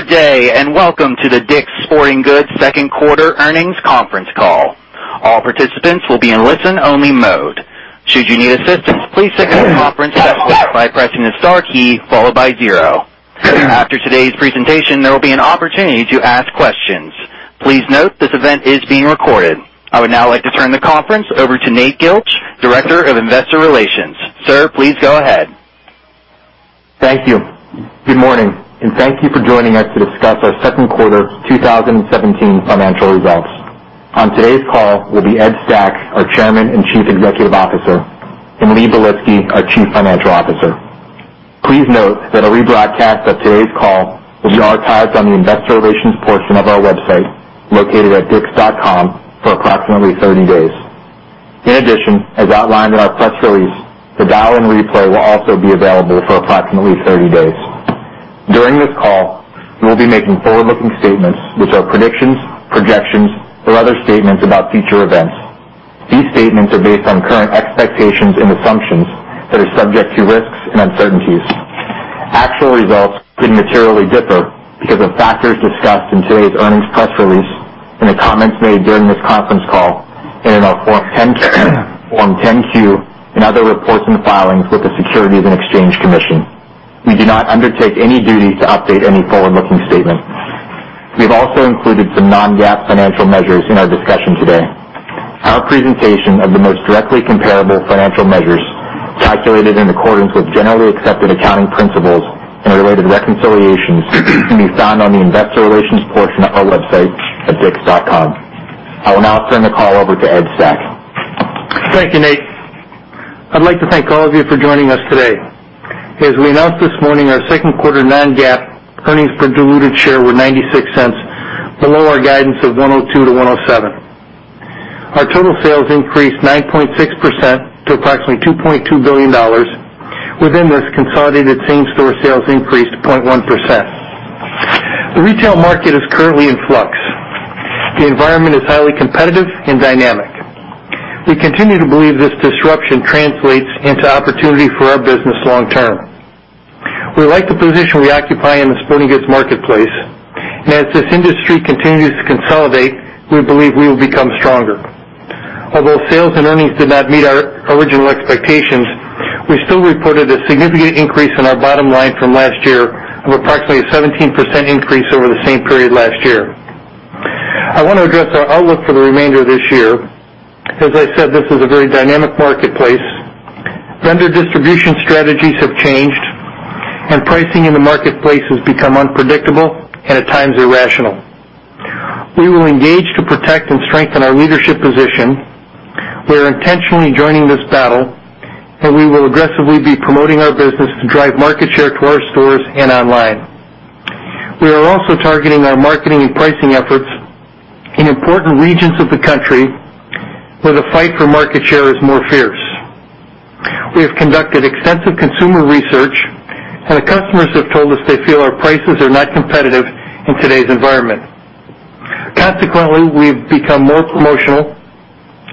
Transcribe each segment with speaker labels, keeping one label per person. Speaker 1: Good day, and welcome to the DICK'S Sporting Goods second quarter earnings conference call. All participants will be in listen-only mode. Should you need assistance, please signal the conference operator by pressing the star key followed by 0. After today's presentation, there will be an opportunity to ask questions. Please note this event is being recorded. I would now like to turn the conference over to Nate Gilch, Director of Investor Relations. Sir, please go ahead.
Speaker 2: Thank you. Good morning, and thank you for joining us to discuss our second quarter 2017 financial results. On today's call will be Ed Stack, our Chairman and Chief Executive Officer, and Lee Belitsky, our Chief Financial Officer. Please note that a rebroadcast of today's call will be archived on the investor relations portion of our website, located at dicks.com, for approximately 30 days. In addition, as outlined in our press release, the dial-in replay will also be available for approximately 30 days. During this call, we'll be making forward-looking statements, which are predictions, projections, or other statements about future events. These statements are based on current expectations and assumptions that are subject to risks and uncertainties. Actual results could materially differ because of factors discussed in today's earnings press release, in the comments made during this conference call, and in our Form 10-Q and other reports and filings with the Securities and Exchange Commission. We do not undertake any duty to update any forward-looking statement. We have also included some non-GAAP financial measures in our discussion today. Our presentation of the most directly comparable financial measures calculated in accordance with generally accepted accounting principles and related reconciliations can be found on the investor relations portion of our website at dicks.com. I will now turn the call over to Ed Stack.
Speaker 3: Thank you, Nate. I'd like to thank all of you for joining us today. As we announced this morning, our second quarter non-GAAP earnings per diluted share were $0.96 below our guidance of $1.02 to $1.07. Our total sales increased 9.6% to approximately $2.2 billion. Within this, consolidated same-store sales increased 0.1%. The retail market is currently in flux. The environment is highly competitive and dynamic. We continue to believe this disruption translates into opportunity for our business long term. We like the position we occupy in the sporting goods marketplace. As this industry continues to consolidate, we believe we will become stronger. Although sales and earnings did not meet our original expectations, we still reported a significant increase in our bottom line from last year of approximately a 17% increase over the same period last year. I want to address our outlook for the remainder of this year. As I said, this is a very dynamic marketplace. Vendor distribution strategies have changed. Pricing in the marketplace has become unpredictable and at times irrational. We will engage to protect and strengthen our leadership position. We are intentionally joining this battle. We will aggressively be promoting our business to drive market share to our stores and online. We are also targeting our marketing and pricing efforts in important regions of the country where the fight for market share is more fierce. We have conducted extensive consumer research. The customers have told us they feel our prices are not competitive in today's environment. Consequently, we've become more promotional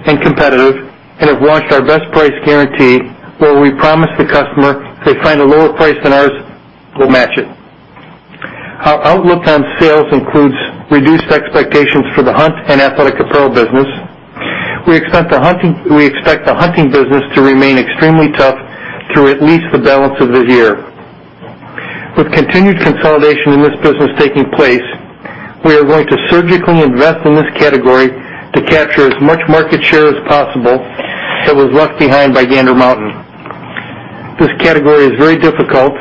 Speaker 3: and competitive and have launched our Best Price Guarantee where we promise the customer if they find a lower price than ours, we'll match it. Our outlook on sales includes reduced expectations for the hunt and athletic apparel business. We expect the hunting business to remain extremely tough through at least the balance of this year. With continued consolidation in this business taking place, we are going to surgically invest in this category to capture as much market share as possible that was left behind by Gander Mountain. This category is very difficult.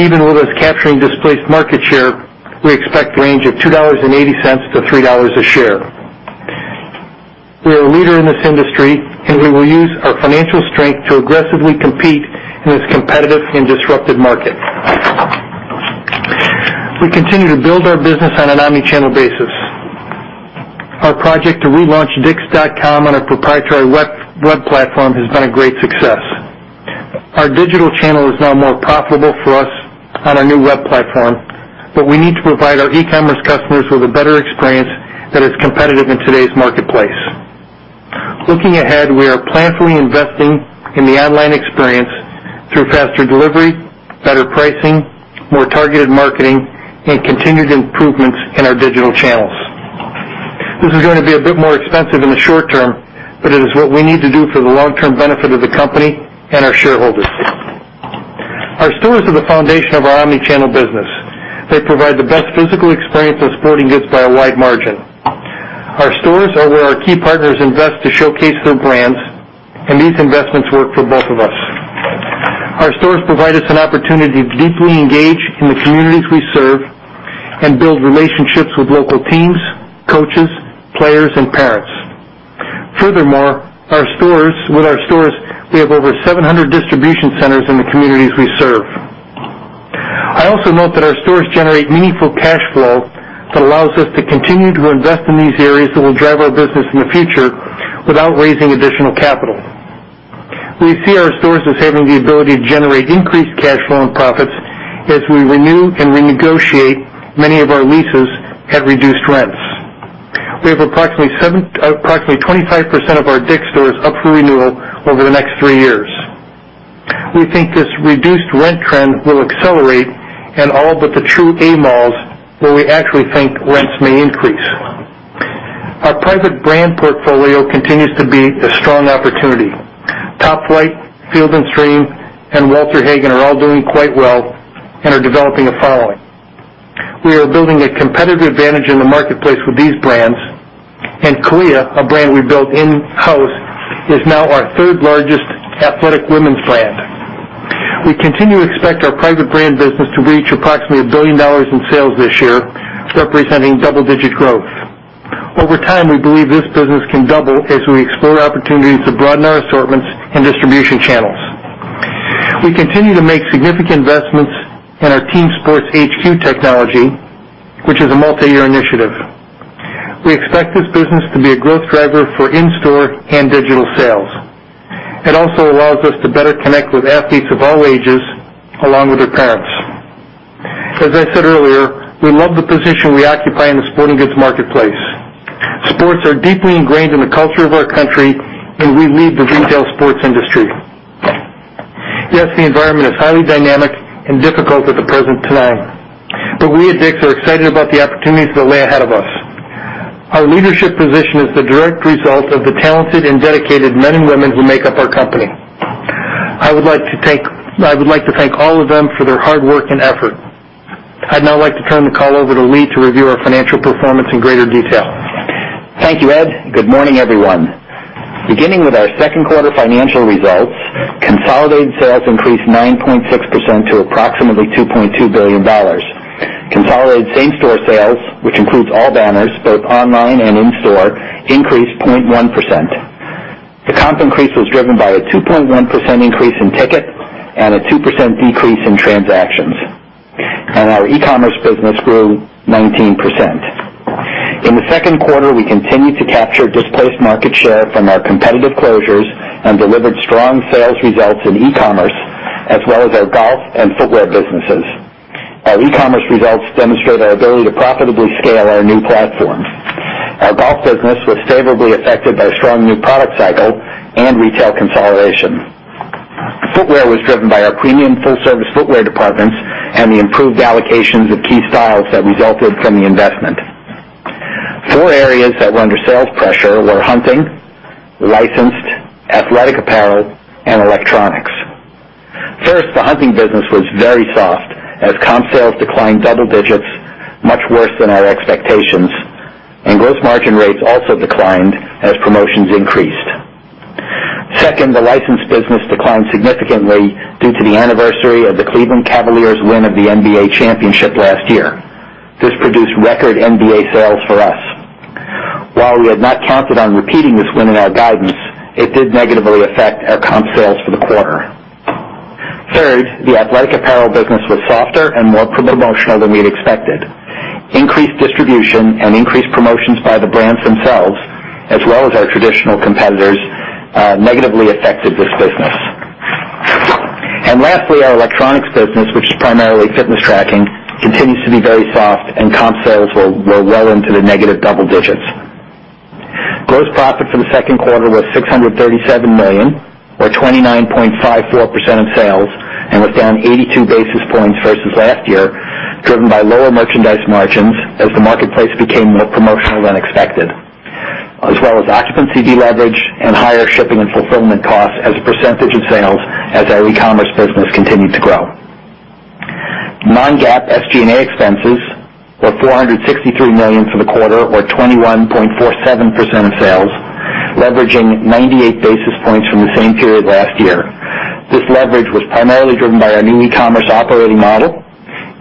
Speaker 3: Even with us capturing displaced market share, we expect range of $2.80-$3 a share. We are a leader in this industry. We will use our financial strength to aggressively compete in this competitive and disrupted market. We continue to build our business on an omni-channel basis. Our project to relaunch dicks.com on a proprietary web platform has been a great success. Our digital channel is now more profitable for us on our new web platform. We need to provide our e-commerce customers with a better experience that is competitive in today's marketplace. Looking ahead, we are planfully investing in the online experience through faster delivery, better pricing, more targeted marketing, and continued improvements in our digital channels. This is going to be a bit more expensive in the short term. It is what we need to do for the long-term benefit of the company and our shareholders. Our stores are the foundation of our omni-channel business. They provide the best physical experience of sporting goods by a wide margin. Our stores are where our key partners invest to showcase their brands. These investments work for both of us. Our stores provide us an opportunity to deeply engage in the communities we serve and build relationships with local teams, coaches, players, and parents. Furthermore, with our stores, we have over 700 distribution centers in the communities we serve. I also note that our stores generate meaningful cash flow that allows us to continue to invest in these areas that will drive our business in the future without raising additional capital. We see our stores as having the ability to generate increased cash flow and profits as we renew and renegotiate many of our leases at reduced rents. We have approximately 25% of our DICK'S stores up for renewal over the next three years. We think this reduced rent trend will accelerate in all but the true A malls, where we actually think rents may increase. Our private brand portfolio continues to be a strong opportunity. Top-Flite, Field & Stream, and Walter Hagen are all doing quite well and are developing a following. We are building a competitive advantage in the marketplace with these brands, and CALIA, a brand we built in-house, is now our third-largest athletic women's brand. We continue to expect our private brand business to reach approximately $1 billion in sales this year, representing double-digit growth. Over time, we believe this business can double as we explore opportunities to broaden our assortments and distribution channels. We continue to make significant investments in our Team Sports HQ technology, which is a multi-year initiative. We expect this business to be a growth driver for in-store and digital sales. It also allows us to better connect with athletes of all ages, along with their parents. As I said earlier, we love the position we occupy in the sporting goods marketplace. Sports are deeply ingrained in the culture of our country, and we lead the retail sports industry. Yes, the environment is highly dynamic and difficult at the present time. We at DICK'S are excited about the opportunities that lay ahead of us. Our leadership position is the direct result of the talented and dedicated men and women who make up our company. I would like to thank all of them for their hard work and effort. I'd now like to turn the call over to Lee to review our financial performance in greater detail.
Speaker 4: Thank you, Ed. Good morning, everyone. Beginning with our second quarter financial results, consolidated sales increased 9.6% to approximately $2.2 billion. Consolidated same-store sales, which includes all banners, both online and in-store, increased 0.1%. The comp increase was driven by a 2.1% increase in ticket and a 2% decrease in transactions. Our e-commerce business grew 19%. In the second quarter, we continued to capture displaced market share from our competitive closures and delivered strong sales results in e-commerce, as well as our golf and footwear businesses. Our e-commerce results demonstrate our ability to profitably scale our new platforms. Our golf business was favorably affected by a strong new product cycle and retail consolidation. Footwear was driven by our premium full-service footwear departments and the improved allocations of key styles that resulted from the investment. Four areas that were under sales pressure were hunting, licensed, athletic apparel, and electronics. First, the hunting business was very soft as comp sales declined double digits, much worse than our expectations, and gross margin rates also declined as promotions increased. Second, the licensed business declined significantly due to the anniversary of the Cleveland Cavaliers' win of the NBA Championship last year. This produced record NBA sales for us. While we had not counted on repeating this win in our guidance, it did negatively affect our comp sales for the quarter. Third, the athletic apparel business was softer and more promotional than we'd expected. Increased distribution and increased promotions by the brands themselves, as well as our traditional competitors, negatively affected this business. Lastly, our electronics business, which is primarily fitness tracking, continues to be very soft and comp sales were well into the negative double digits. Gross profit for the second quarter was $637 million, or 29.54% of sales, and was down 82 basis points versus last year, driven by lower merchandise margins as the marketplace became more promotional than expected, as well as occupancy deleverage and higher shipping and fulfillment costs as a percentage of sales as our e-commerce business continued to grow. Non-GAAP SG&A expenses were $463 million for the quarter, or 21.47% of sales, leveraging 98 basis points from the same period last year. This leverage was primarily driven by our new e-commerce operating model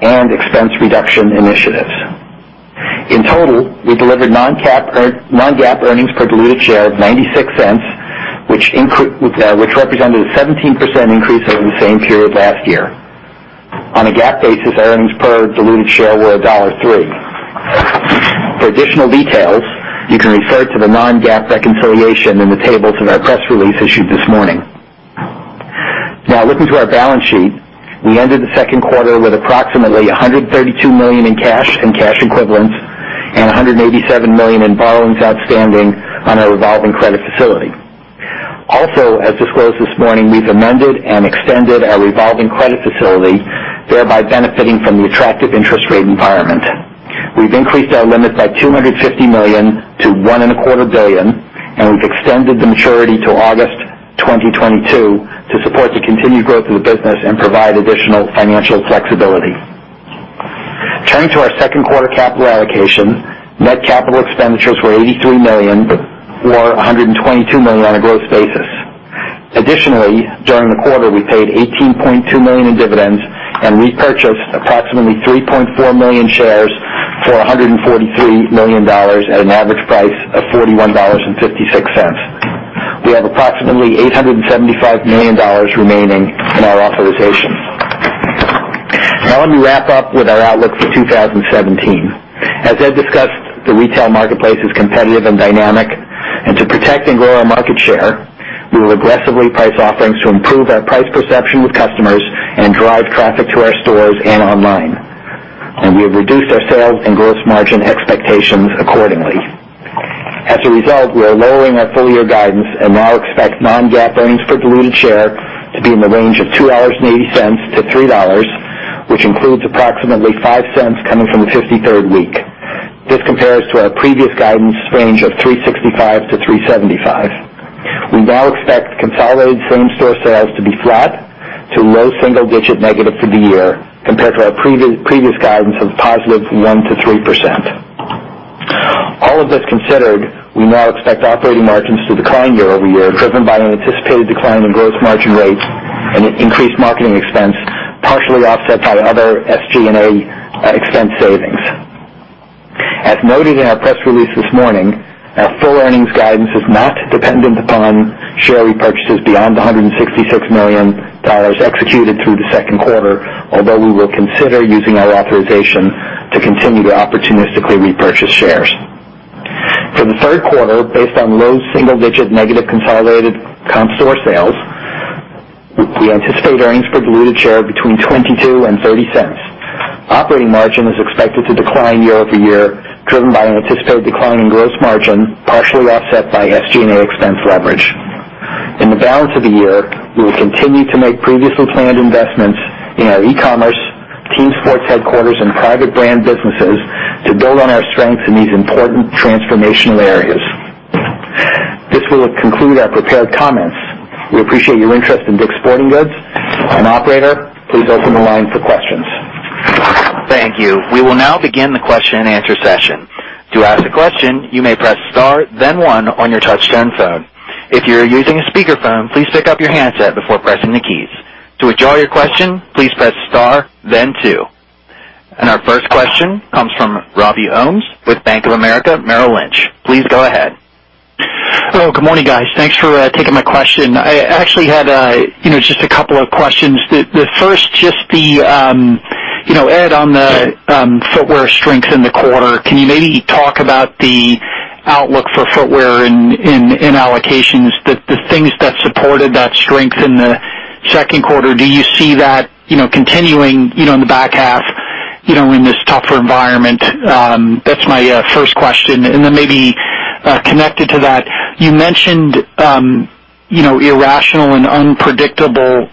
Speaker 4: and expense reduction initiatives. In total, we delivered non-GAAP earnings per diluted share of $0.96, which represented a 17% increase over the same period last year. On a GAAP basis, earnings per diluted share were $1.03. For additional details, you can refer to the non-GAAP reconciliation in the tables in our press release issued this morning. Looking to our balance sheet, we ended the second quarter with approximately $132 million in cash and cash equivalents and $187 million in borrowings outstanding on our revolving credit facility. Also, as disclosed this morning, we've amended and extended our revolving credit facility, thereby benefiting from the attractive interest rate environment. We've increased our limit by $250 million to $1.25 billion, and we've extended the maturity to August 2022 to support the continued growth of the business and provide additional financial flexibility. Turning to our second quarter capital allocation, net capital expenditures were $83 million, or $122 million on a gross basis. Additionally, during the quarter, we paid $18.2 million in dividends and repurchased approximately 3.4 million shares for $143 million at an average price of $41.56. We have approximately $875 million remaining in our authorizations. Let me wrap up with our outlook for 2017. As Ed discussed, the retail marketplace is competitive and dynamic, and to protect and grow our market share, we will aggressively price offerings to improve our price perception with customers and drive traffic to our stores and online. We have reduced our sales and gross margin expectations accordingly. As a result, we are lowering our full-year guidance and now expect non-GAAP earnings per diluted share to be in the range of $2.80 to $3, which includes approximately $0.05 coming from the 53rd week. This compares to our previous guidance range of $3.65 to $3.75. We now expect consolidated same-store sales to be flat to low single digit negative for the year, compared to our previous guidance of positive 1%-3%. All of this considered, we now expect operating margins to decline year-over-year, driven by an anticipated decline in gross margin rates and increased marketing expense, partially offset by other SG&A expense savings. As noted in our press release this morning, our full earnings guidance is not dependent upon share repurchases beyond the $166 million executed through the second quarter, although we will consider using our authorization to continue to opportunistically repurchase shares. For the third quarter, based on low single-digit negative consolidated comp store sales, we anticipate earnings per diluted share between $0.22 and $0.30. Operating margin is expected to decline year-over-year, driven by an anticipated decline in gross margin, partially offset by SG&A expense leverage. In the balance of the year, we will continue to make previously planned investments in our e-commerce, DICK'S Team Sports HQ, and private brand businesses to build on our strengths in these important transformational areas. This will conclude our prepared comments. We appreciate your interest in DICK'S Sporting Goods. Operator, please open the line for questions.
Speaker 1: Thank you. We will now begin the question and answer session. To ask a question, you may press star then one on your touchtone phone. If you're using a speakerphone, please pick up your handset before pressing the keys. To withdraw your question, please press star then two. Our first question comes from Robert Ohmes with Bank of America Merrill Lynch. Please go ahead.
Speaker 5: Hello. Good morning, guys. Thanks for taking my question. I actually had just a couple of questions. The first, Ed, on the footwear strengths in the quarter, can you maybe talk about the outlook for footwear in allocations, the things that supported that strength in the second quarter. Do you see that continuing in the back half in this tougher environment? That's my first question. Then maybe connected to that, you mentioned irrational and unpredictable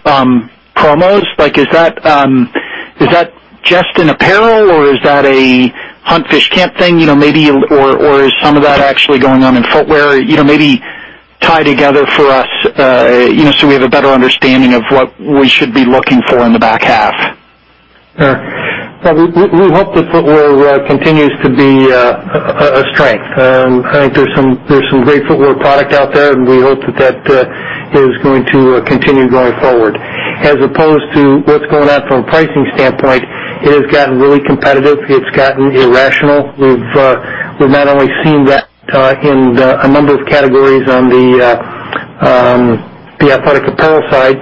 Speaker 5: promos. Is that just in apparel, or is that a hunt, fish, camp thing, or is some of that actually going on in footwear? Maybe tie together for us so we have a better understanding of what we should be looking for in the back half.
Speaker 4: Sure. We hope that footwear continues to be a strength. I think there's some great footwear product out there, and we hope that is going to continue going forward. As opposed to what's going on from a pricing standpoint, it has gotten really competitive. It's gotten irrational. We've not only seen that in a number of categories on the athletic apparel side,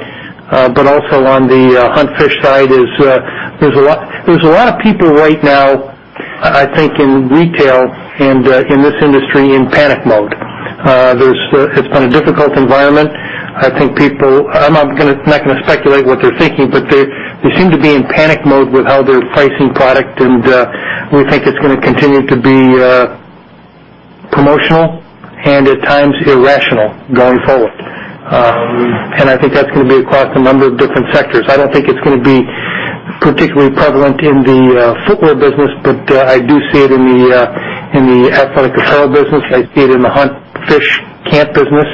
Speaker 4: but also on the hunt, fish side. There's a lot of people right now, I think, in retail and in this industry, in panic mode. It's been a difficult environment. I'm not going to speculate what they're thinking, but they seem to be in panic mode with how they're pricing product, and we think it's going to continue to be promotional and at times irrational going forward. I think that's going to be across a number of different sectors. I don't think it's going to be particularly prevalent in the footwear business, but I do see it in the athletic apparel business. I see it in the hunt, fish, camp business.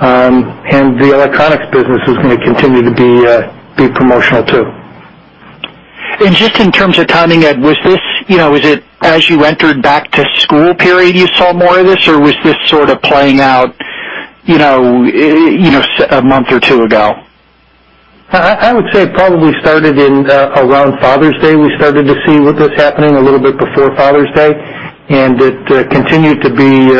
Speaker 4: The electronics business is going to continue to be promotional, too.
Speaker 5: Just in terms of timing, Ed, was it as you entered back to school period you saw more of this, or was this sort of playing out a month or two ago?
Speaker 4: I would say it probably started around Father's Day. We started to see this happening a little bit before Father's Day, it continued to be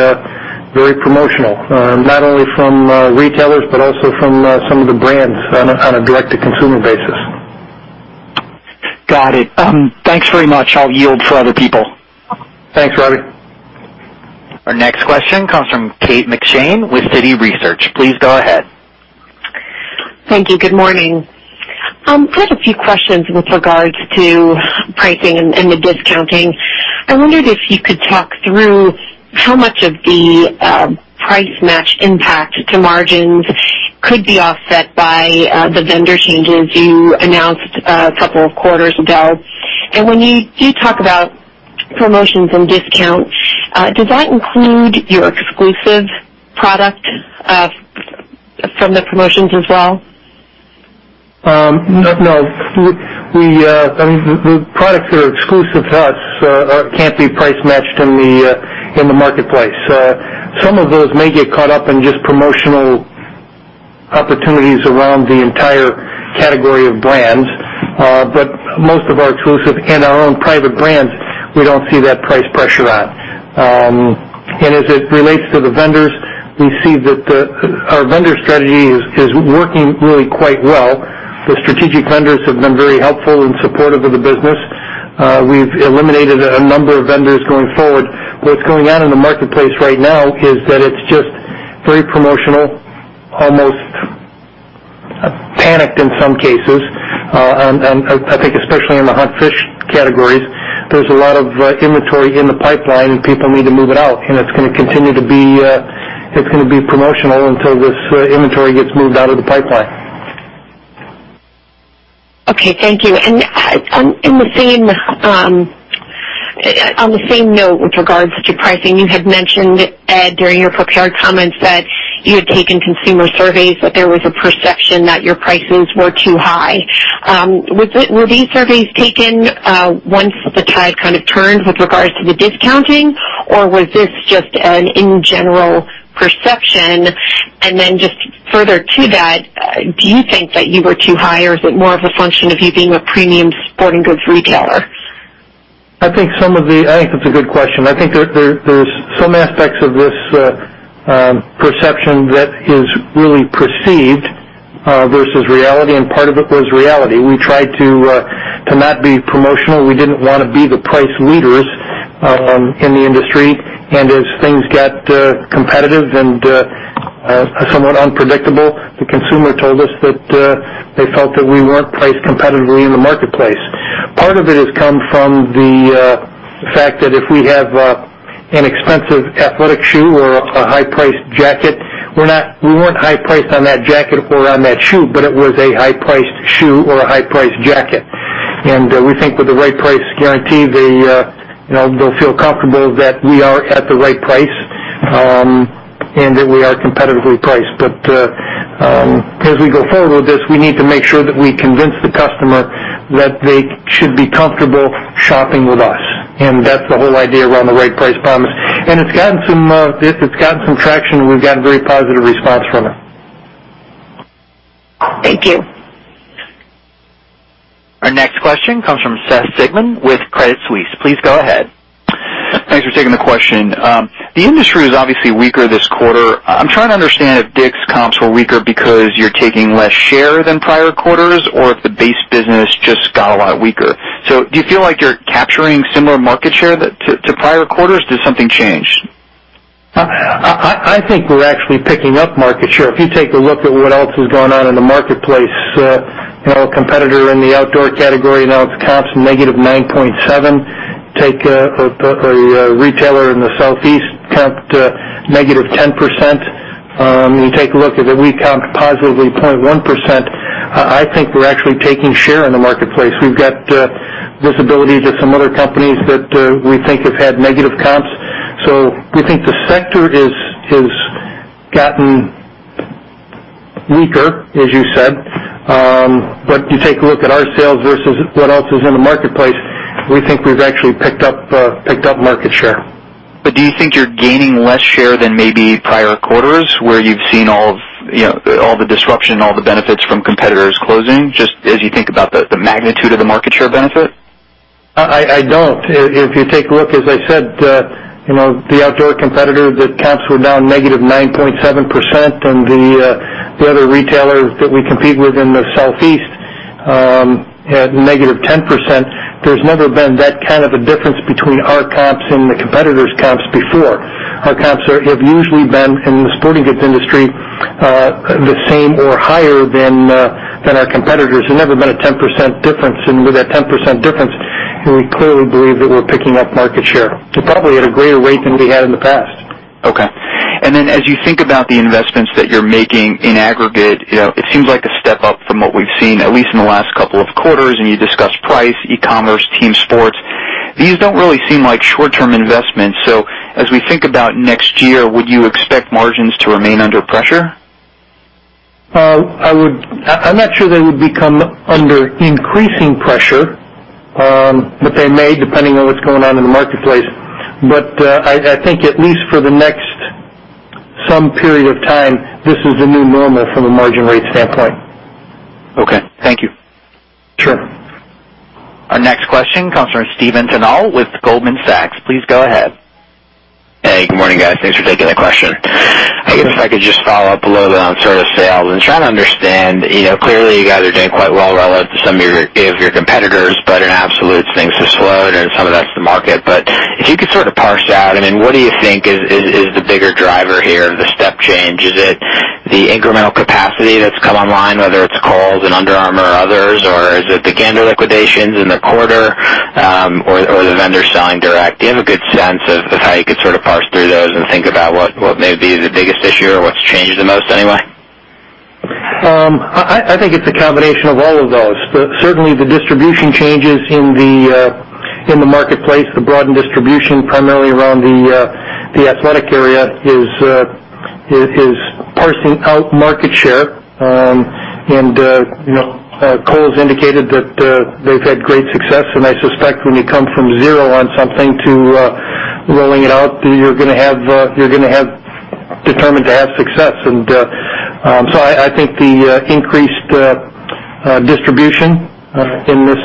Speaker 4: very promotional. Not only from retailers but also from some of the brands on a direct-to-consumer basis.
Speaker 5: Got it. Thanks very much. I'll yield for other people.
Speaker 4: Thanks, Robbie.
Speaker 1: Our next question comes from Kate McShane with Citi Research. Please go ahead.
Speaker 6: Thank you. Good morning. Put a few questions with regards to pricing and the discounting. I wondered if you could talk through how much of the price match impact to margins could be offset by the vendor changes you announced a couple of quarters ago. When you do talk about promotions and discounts, does that include your exclusive product from the promotions as well?
Speaker 4: No. The products that are exclusive to us can't be price matched in the marketplace. Some of those may get caught up in just promotional opportunities around the entire category of brands. Most of our exclusive and our own private brands, we don't see that price pressure on. As it relates to the vendors, we see that our vendor strategy is working really quite well. The strategic vendors have been very helpful and supportive of the business. We've eliminated a number of vendors going forward. What's going on in the marketplace right now is that it's just very promotional.
Speaker 3: Panicked in some cases. I think especially in the hunt fish categories, there's a lot of inventory in the pipeline, and people need to move it out, and it's going to be promotional until this inventory gets moved out of the pipeline.
Speaker 6: Okay, thank you. On the same note with regards to pricing, you had mentioned, Ed, during your prepared comments that you had taken consumer surveys, that there was a perception that your prices were too high. Were these surveys taken once the tide kind of turned with regards to the discounting, or was this just an in general perception? Just further to that, do you think that you were too high, or is it more of a function of you being a premium sporting goods retailer?
Speaker 3: I think it's a good question. I think there's some aspects of this perception that is really perceived versus reality, part of it was reality. We tried to not be promotional. We didn't want to be the price leaders in the industry. As things got competitive and somewhat unpredictable, the consumer told us that they felt that we weren't priced competitively in the marketplace. Part of it has come from the fact that if we have an expensive athletic shoe or a high-priced jacket, we weren't high-priced on that jacket or on that shoe, but it was a high-priced shoe or a high-priced jacket. We think with the right price guarantee, they'll feel comfortable that we are at the right price and that we are competitively priced. As we go forward with this, we need to make sure that we convince the customer that they should be comfortable shopping with us, and that's the whole idea around the right price promise. It's gotten some traction, and we've gotten very positive response from it.
Speaker 6: Thank you.
Speaker 1: Our next question comes from Seth Sigman with Credit Suisse. Please go ahead.
Speaker 7: Thanks for taking the question. The industry was obviously weaker this quarter. I'm trying to understand if DICK'S comps were weaker because you're taking less share than prior quarters or if the base business just got a lot weaker. Do you feel like you're capturing similar market share to prior quarters, or did something change?
Speaker 3: I think we're actually picking up market share. If you take a look at what else is going on in the marketplace, a competitor in the outdoor category announced comps negative 9.7%. Take a retailer in the Southeast, comped -10%. When you take a look at it, we comp positively 0.1%. I think we're actually taking share in the marketplace. We've got visibility to some other companies that we think have had negative comps. We think the sector has gotten weaker, as you said. You take a look at our sales versus what else is in the marketplace, we think we've actually picked up market share.
Speaker 7: Do you think you're gaining less share than maybe prior quarters where you've seen all the disruption, all the benefits from competitors closing, just as you think about the magnitude of the market share benefit?
Speaker 3: I don't. If you take a look, as I said, the outdoor competitor, the comps were down -9.7%, and the other retailers that we compete with in the Southeast had -10%. There's never been that kind of a difference between our comps and the competitor's comps before. Our comps have usually been, in the sporting goods industry, the same or higher than our competitors. There's never been a 10% difference. With that 10% difference, we clearly believe that we're picking up market share, probably at a greater rate than we had in the past.
Speaker 7: Okay. As you think about the investments that you're making in aggregate, it seems like a step up from what we've seen, at least in the last couple of quarters, and you discussed price, e-commerce, team sports. These don't really seem like short-term investments. As we think about next year, would you expect margins to remain under pressure?
Speaker 3: I'm not sure they would become under increasing pressure. They may, depending on what's going on in the marketplace. I think at least for the next some period of time, this is a new normal from a margin rate standpoint.
Speaker 7: Okay. Thank you.
Speaker 3: Sure.
Speaker 1: Our next question comes from Steven Turnbull with Goldman Sachs. Please go ahead.
Speaker 8: Hey, good morning, guys. Thanks for taking the question. I guess if I could just follow up a little bit on sort of sales and trying to understand. Clearly, you guys are doing quite well relative to some of your competitors, but in absolutes, things have slowed, and some of that's the market. If you could sort of parse out, what do you think is the bigger driver here, the step change? Is it the incremental capacity that's come online, whether it's Kohl's and Under Armour or others, or is it the Gander liquidations in the quarter, or the vendor selling direct? Do you have a good sense of how you could sort of parse through those and think about what may be the biggest issue or what's changed the most anyway?
Speaker 3: I think it's a combination of all of those. Certainly, the distribution changes in the marketplace, the broadened distribution primarily around the athletic area, is parsing out market share. Kohl's indicated that they've had great success, and I suspect when you come from zero on something to rolling it out, you're going to be determined to have success. I think the increased distribution in this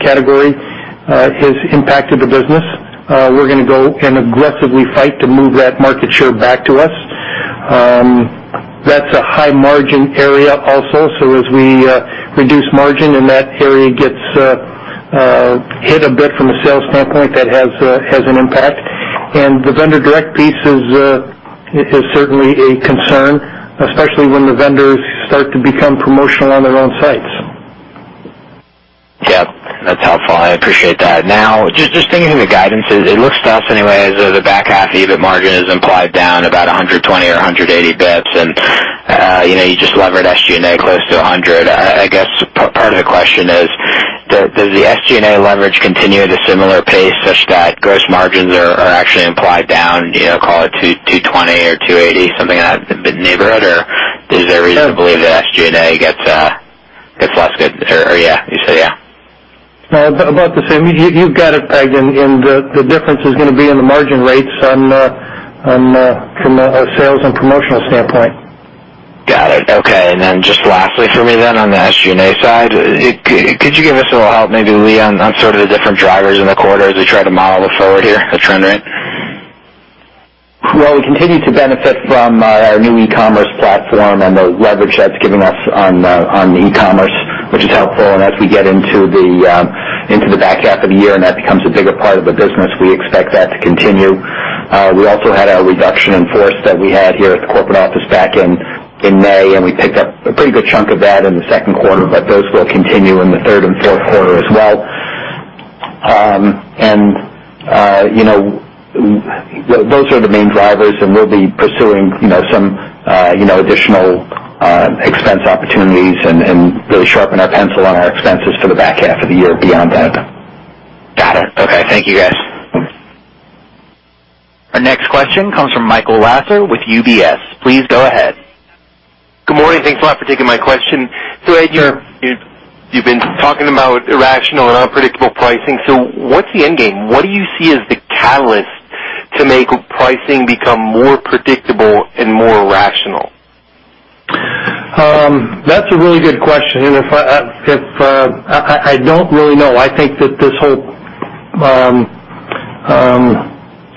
Speaker 3: category has impacted the business. We're going to go and aggressively fight to move that market share back to us. That's a high margin area also. As we reduce margin and that area gets hit a bit from a sales standpoint, that has an impact. The vendor direct piece is certainly a concern, especially when the vendors start to become promotional on their own sites.
Speaker 8: Yep. That's helpful. I appreciate that. Now, just thinking through the guidances, it looks to us anyway, as though the back half EBIT margin is implied down about 120 or 180 basis points, and you just levered SG&A close to 100 basis points. I guess part of the question is, does the SG&A leverage continue at a similar pace such that gross margins are actually implied down, call it 220 or 280 basis points, something in that neighborhood, or is there reason to believe that SG&A gets less good, or yeah. You say yeah.
Speaker 3: No. About the same. You've got it, Craig, and the difference is going to be in the margin rates from a sales and promotional standpoint.
Speaker 8: Got it. Okay, just lastly for me then, on the SG&A side, could you give us a little help, maybe, Lee, on sort of the different drivers in the quarter as we try to model it forward here, the trend rate?
Speaker 4: Well, we continue to benefit from our new e-commerce platform and the leverage that's giving us on the e-commerce, which is helpful. As we get into the back half of the year and that becomes a bigger part of the business, we expect that to continue. We also had our reduction in force that we had here at the corporate office back in May, and we picked up a pretty good chunk of that in the second quarter. Those will continue in the third and fourth quarter as well. Those are the main drivers, and we'll be pursuing some additional expense opportunities and really sharpen our pencil on our expenses for the back half of the year beyond that.
Speaker 8: Got it. Okay. Thank you, guys.
Speaker 1: Our next question comes from Michael Lasser with UBS. Please go ahead.
Speaker 9: Good morning. Thanks a lot for taking my question. Ed, you've been talking about irrational and unpredictable pricing. What's the end game? What do you see as the catalyst to make pricing become more predictable and more rational?
Speaker 3: That's a really good question, I don't really know. I think that this whole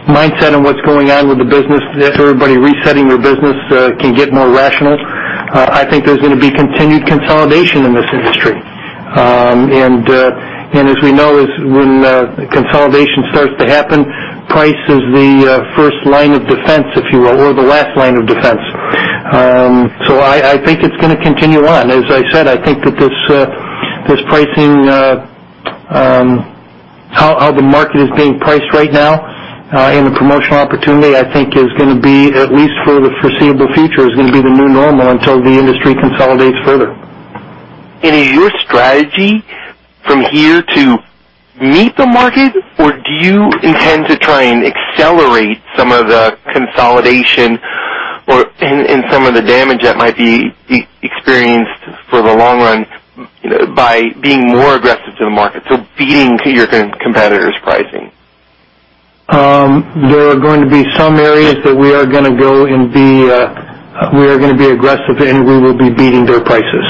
Speaker 3: mindset on what's going on with the business, everybody resetting their business, can get more rational. I think there's going to be continued consolidation in this industry. As we know, when consolidation starts to happen, price is the first line of defense, if you will, or the last line of defense. I think it's going to continue on. As I said, I think that how the market is being priced right now and the promotional opportunity, I think is going to be, at least for the foreseeable future, is going to be the new normal until the industry consolidates further.
Speaker 9: Is your strategy from here to meet the market, or do you intend to try and accelerate some of the consolidation and some of the damage that might be experienced for the long run by being more aggressive to the market, so beating to your competitor's pricing?
Speaker 3: There are going to be some areas that we are going to go and we are going to be aggressive, and we will be beating their prices.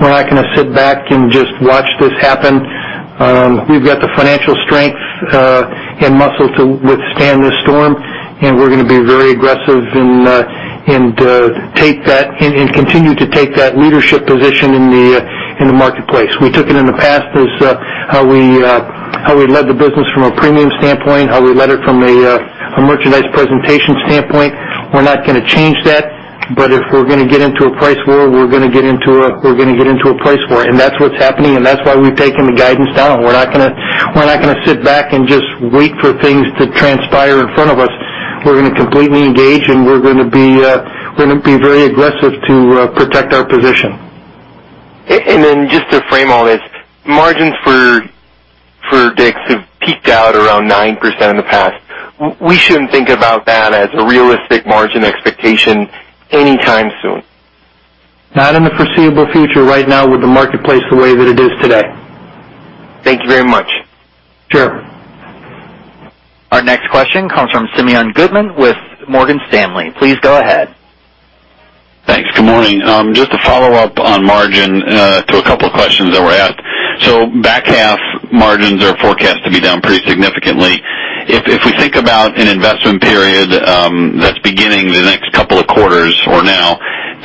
Speaker 3: We're not going to sit back and just watch this happen. We've got the financial strength and muscle to withstand this storm, and we're going to be very aggressive and continue to take that leadership position in the marketplace. We took it in the past as how we led the business from a premium standpoint, how we led it from a merchandise presentation standpoint. We're not going to change that, but if we're going to get into a price war, we're going to get into a price war. That's what's happening, and that's why we've taken the guidance down. We're not going to sit back and just wait for things to transpire in front of us. We're going to completely engage, and we're going to be very aggressive to protect our position.
Speaker 9: Just to frame all this, margins for DICK'S have peaked out around 9% in the past. We shouldn't think about that as a realistic margin expectation anytime soon.
Speaker 3: Not in the foreseeable future right now with the marketplace the way that it is today.
Speaker 9: Thank you very much.
Speaker 3: Sure.
Speaker 1: Our next question comes from Simeon Gutman with Morgan Stanley. Please go ahead.
Speaker 10: Thanks. Good morning. Just to follow up on margin to a couple of questions that were asked. Back half margins are forecast to be down pretty significantly. If we think about an investment period that's beginning the next couple of quarters, or now,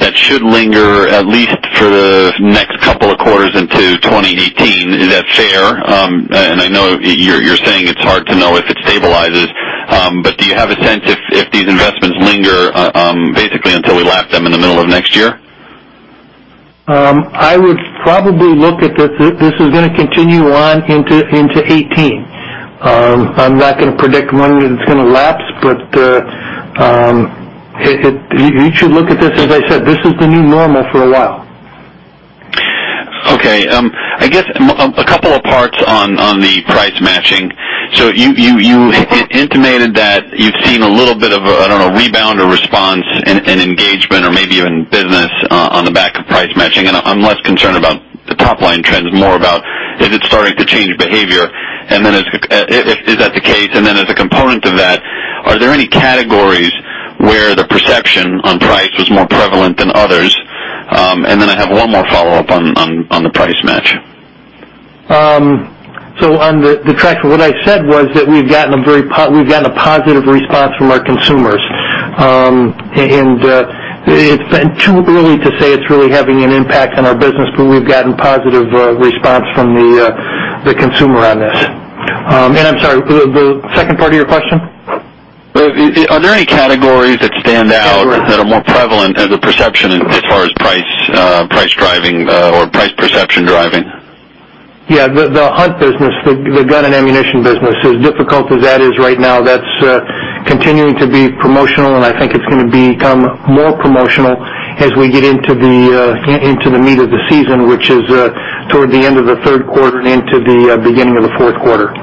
Speaker 10: that should linger at least for the next couple of quarters into 2018. Is that fair? I know you're saying it's hard to know if it stabilizes, but do you have a sense if these investments linger basically until we lap them in the middle of next year?
Speaker 3: I would probably look at this. This is going to continue on into 2018. I'm not going to predict when it's going to lapse, but you should look at this, as I said, this is the new normal for a while.
Speaker 10: Okay. I guess, a couple of parts on the price matching. You intimated that you've seen a little bit of a, I don't know, rebound or response in engagement or maybe even business on the back of price matching. I'm less concerned about the top-line trends, more about if it's starting to change behavior. If that's the case, as a component of that, are there any categories where the perception on price was more prevalent than others? I have one more follow-up on the price match.
Speaker 3: On the track of what I said was that we've gotten a positive response from our consumers. It's been too early to say it's really having an impact on our business, but we've gotten positive response from the consumer on this. I'm sorry, the second part of your question?
Speaker 10: Are there any categories that stand out that are more prevalent as a perception as far as price driving or price perception driving?
Speaker 3: Yeah. The hunt business, the gun and ammunition business, as difficult as that is right now, that is continuing to be promotional, and I think it is going to become more promotional as we get into the meat of the season, which is toward the end of the third quarter and into the beginning of the fourth quarter.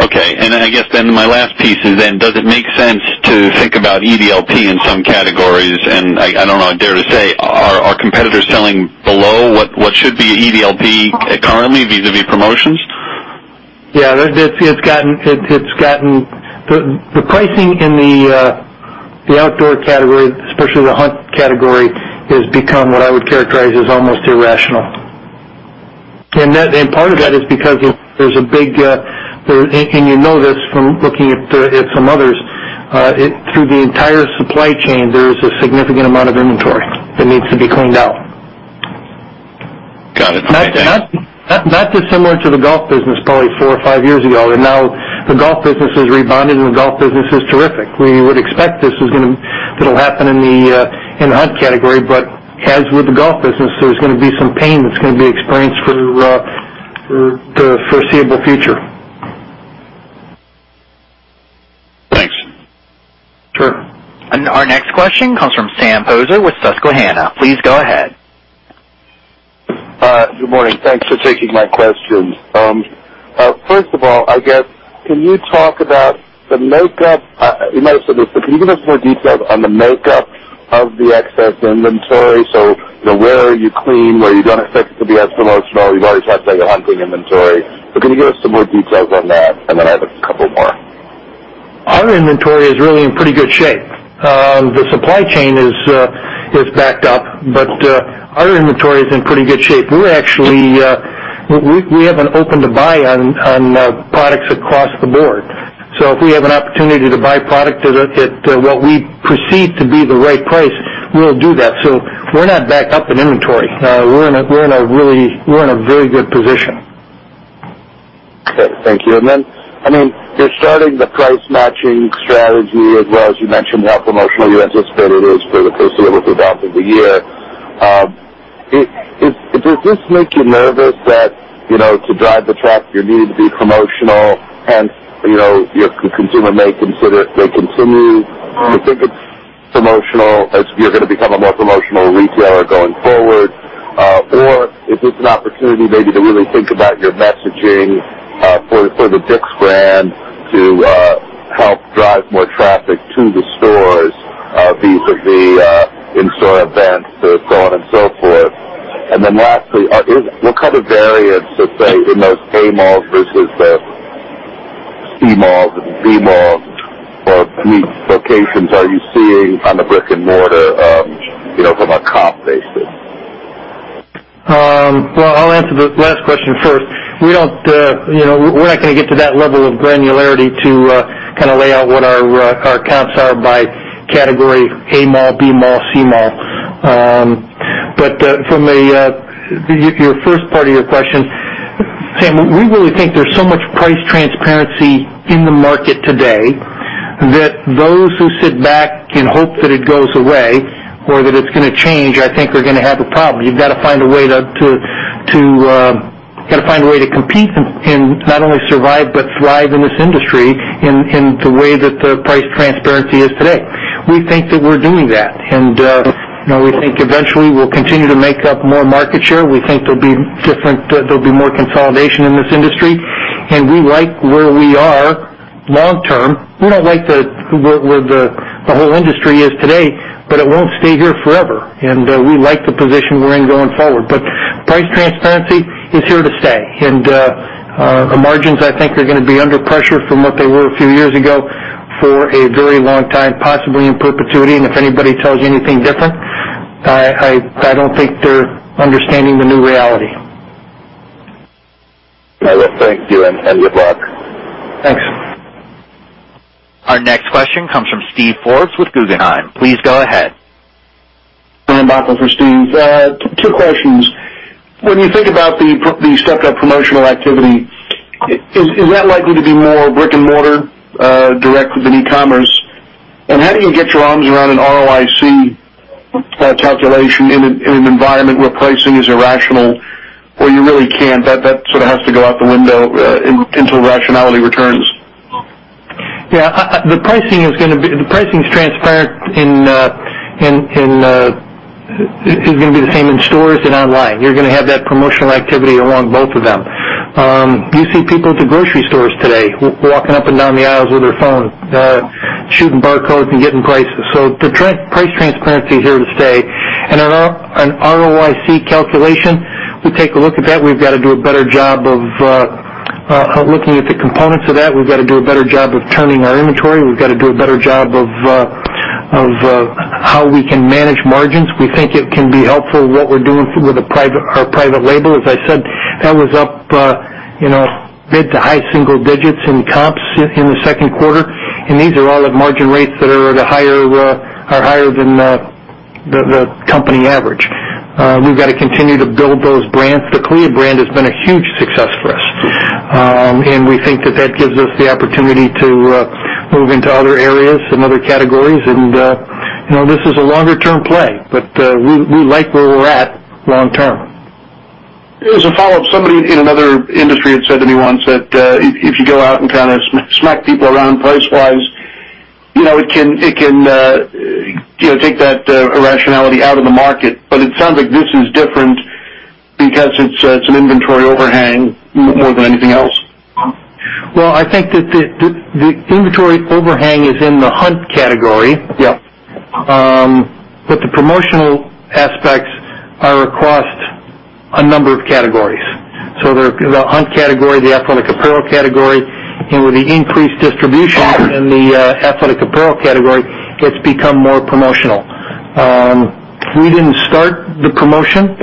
Speaker 10: Okay. I guess then my last piece is then, does it make sense to think about EDLP in some categories? I don't know, I dare to say, are competitors selling below what should be EDLP currently vis-à-vis promotions?
Speaker 3: Yeah. The pricing in the outdoor category, especially the hunt category, has become what I would characterize as almost irrational. Part of that is because there is a big, and you know this from looking at some others, through the entire supply chain, there is a significant amount of inventory that needs to be cleaned out.
Speaker 10: Got it. Okay.
Speaker 3: Not dissimilar to the golf business probably four or five years ago, now the golf business has rebounded and the golf business is terrific. We would expect this it'll happen in the hunt category. As with the golf business, there's going to be some pain that's going to be experienced for the foreseeable future.
Speaker 10: Thanks.
Speaker 3: Sure.
Speaker 1: Our next question comes from Sam Poser with Susquehanna. Please go ahead.
Speaker 11: Good morning. Thanks for taking my questions. First of all, I guess, can you talk about the makeup? You might have said this, but can you give us more details on the makeup of the excess inventory? Where are you clean, where you don't expect it to be as promotional? You've already talked about your hunting inventory. Can you give us some more details on that? Then I have a couple more.
Speaker 3: Our inventory is really in pretty good shape. The supply chain is backed up, our inventory is in pretty good shape. We haven't opened a buy on products across the board. If we have an opportunity to buy product at what we perceive to be the right price, we'll do that. We're not backed up in inventory. We're in a very good position.
Speaker 11: Thank you. You're starting the price matching strategy as well. As you mentioned, how promotional you anticipate it is for the first little bit of the year. Does this make you nervous that to drive the traffic, you need to be promotional, hence, your consumer may consider they continue to think it's promotional as you're going to become a more promotional retailer going forward? Or is this an opportunity maybe to really think about your messaging for the DICK'S brand to help drive more traffic to the stores vis-à-vis in-store events, so on and so forth. Lastly, what kind of variance, let's say, in those A malls versus the C malls and B malls or locations are you seeing on the brick and mortar from a comp basis?
Speaker 3: I'll answer the last question first. We're not going to get to that level of granularity to lay out what our comps are by category A mall, B mall, C mall. From your first part of your question, Sam, we really think there's so much price transparency in the market today that those who sit back and hope that it goes away or that it's going to change, I think, are going to have a problem. You've got to find a way to compete and not only survive but thrive in this industry in the way that the price transparency is today. We think that we're doing that, and we think eventually we'll continue to make up more market share. We think there'll be more consolidation in this industry, and we like where we are long term. We don't like where the whole industry is today, it won't stay here forever. We like the position we're in going forward. Price transparency is here to stay, and our margins, I think, are going to be under pressure from what they were a few years ago for a very long time, possibly in perpetuity. If anybody tells you anything different, I don't think they're understanding the new reality.
Speaker 11: I will. Thank you, good luck.
Speaker 3: Thanks.
Speaker 1: Our next question comes from Steven Forbes with Guggenheim. Please go ahead.
Speaker 12: Adrian Bachman for Steve. Two questions. When you think about the stepped-up promotional activity, is that likely to be more brick and mortar direct than e-commerce? How do you get your arms around an ROIC calculation in an environment where pricing is irrational or you really can't, that sort of has to go out the window until rationality returns?
Speaker 3: Yeah. The pricing is transparent and is going to be the same in stores and online. You're going to have that promotional activity along both of them. You see people at the grocery stores today walking up and down the aisles with their phones, shooting barcodes and getting prices. The price transparency is here to stay. An ROIC calculation, we take a look at that. We've got to do a better job of looking at the components of that. We've got to do a better job of turning our inventory. We've got to do a better job of how we can manage margins. We think it can be helpful what we're doing with our private label. As I said, that was up mid to high single digits in comps in the second quarter. These are all at margin rates that are higher than the company average. We've got to continue to build those brands. The CALIA brand has been a huge success for us. We think that that gives us the opportunity to move into other areas and other categories. This is a longer-term play, but we like where we're at long term.
Speaker 12: As a follow-up, somebody in another industry had said to me once that if you go out and smack people around price-wise, it can take that irrationality out of the market, but it sounds like this is different because it's an inventory overhang more than anything else.
Speaker 3: Well, I think that the inventory overhang is in the hunt category.
Speaker 12: Yes.
Speaker 3: The promotional aspects are across a number of categories. The hunt category, the athletic apparel category, and with the increased distribution in the athletic apparel category, it's become more promotional. We didn't start the promotion,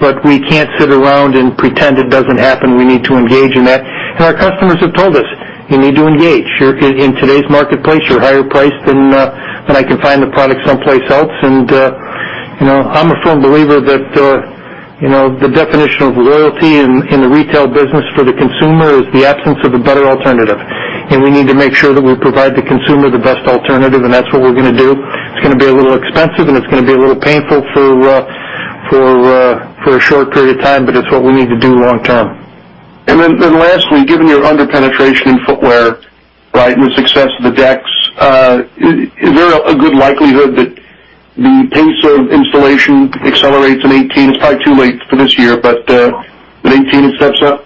Speaker 3: but we can't sit around and pretend it doesn't happen. We need to engage in that. Our customers have told us, "You need to engage. In today's marketplace, you're higher priced than I can find the product someplace else." I'm a firm believer that the definition of loyalty in the retail business for the consumer is the absence of a better alternative. We need to make sure that we provide the consumer the best alternative, and that's what we're going to do. It's going to be a little expensive, and it's going to be a little painful for a short period of time, but it's what we need to do long term.
Speaker 12: Lastly, given your under-penetration in footwear, right, and the success of the decks, is there a good likelihood that the pace of installation accelerates in 2018? It's probably too late for this year, but that 2018 it steps up?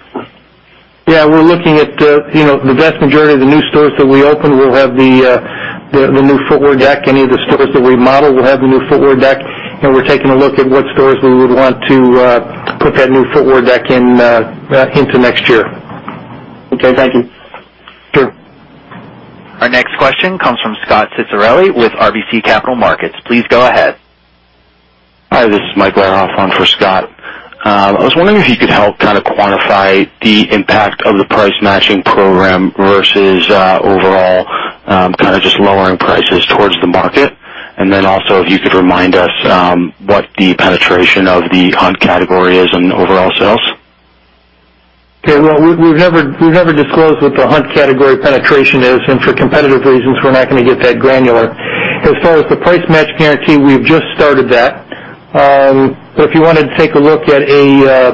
Speaker 3: Yeah, we're looking at the vast majority of the new stores that we open will have the new footwear deck. Any of the stores that we remodel will have the new footwear deck. We're taking a look at what stores we would want to put that new footwear deck into next year.
Speaker 12: Okay, thank you.
Speaker 3: Sure.
Speaker 1: Our next question comes from Scot Ciccarelli with RBC Capital Markets. Please go ahead.
Speaker 13: Hi, this is Mike on for Scot. I was wondering if you could help quantify the impact of the price matching program versus overall, just lowering prices towards the market. Also, if you could remind us what the penetration of the hunt category is in overall sales.
Speaker 3: Well, we've never disclosed what the hunt category penetration is, for competitive reasons, we're not going to get that granular. As far as the price match guarantee, we've just started that. If you want to take a look at a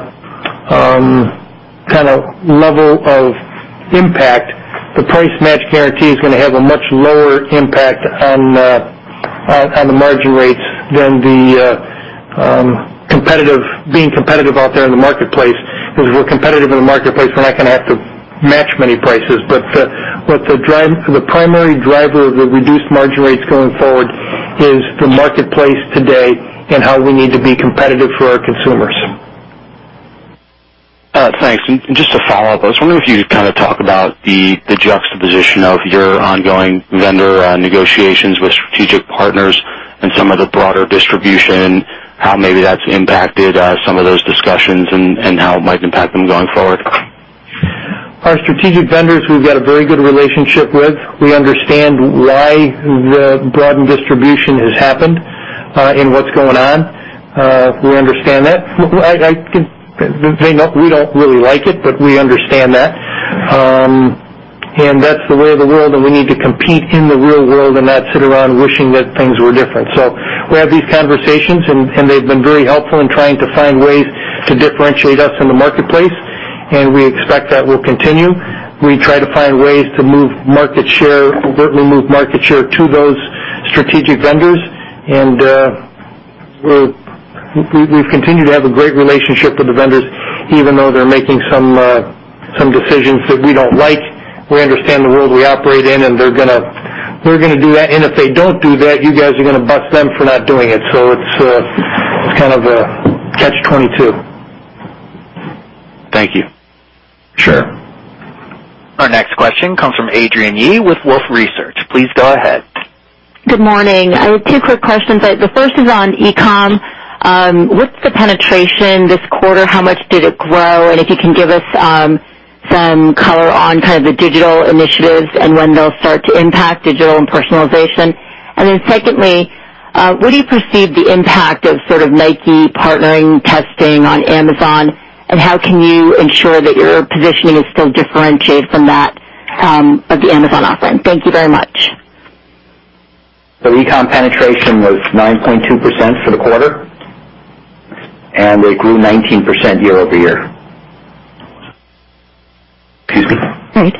Speaker 3: level of impact, the price match guarantee is going to have a much lower impact on the margin rates than being competitive out there in the marketplace. Because if we're competitive in the marketplace, we're not going to have to match many prices. The primary driver of the reduced margin rates going forward is the marketplace today and how we need to be competitive for our consumers.
Speaker 13: Thanks. Just to follow up, I was wondering if you could talk about the juxtaposition of your ongoing vendor negotiations with strategic partners and some of the broader distribution, how maybe that's impacted some of those discussions and how it might impact them going forward.
Speaker 3: Our strategic vendors, we've got a very good relationship with. We understand why the broadened distribution has happened and what's going on. We understand that. We don't really like it, but we understand that. That's the way of the world, and we need to compete in the real world and not sit around wishing that things were different. We have these conversations, and they've been very helpful in trying to find ways to differentiate us in the marketplace, and we expect that will continue. We try to find ways to overtly move market share to those strategic vendors. We've continued to have a great relationship with the vendors, even though they're making some decisions that we don't like. We understand the world we operate in, and they're going to do that. If they don't do that, you guys are going to bust them for not doing it. It's kind of a catch-22.
Speaker 13: Thank you.
Speaker 3: Sure.
Speaker 1: Our next question comes from Adrienne Yih with Wolfe Research. Please go ahead.
Speaker 14: Good morning. I have two quick questions. The first is on e-com. What's the penetration this quarter? How much did it grow? If you can give us some color on the digital initiatives and when they'll start to impact digital and personalization. Secondly, what do you perceive the impact of Nike partnering testing on Amazon, and how can you ensure that your positioning is still differentiated from that of the Amazon offering? Thank you very much.
Speaker 3: The e-com penetration was 9.2% for the quarter, it grew 19% year-over-year.
Speaker 12: Excuse me. All right.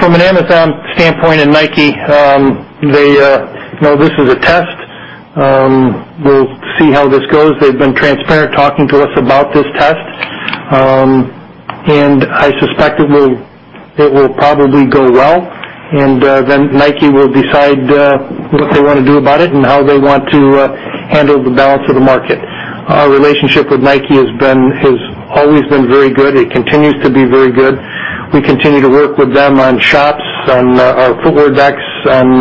Speaker 3: From an Amazon standpoint and Nike, this is a test. We'll see how this goes. They've been transparent talking to us about this test. I suspect it will probably go well, and then Nike will decide what they want to do about it and how they want to handle the balance of the market. Our relationship with Nike has always been very good. It continues to be very good. We continue to work with them on shops, on our footwear decks, on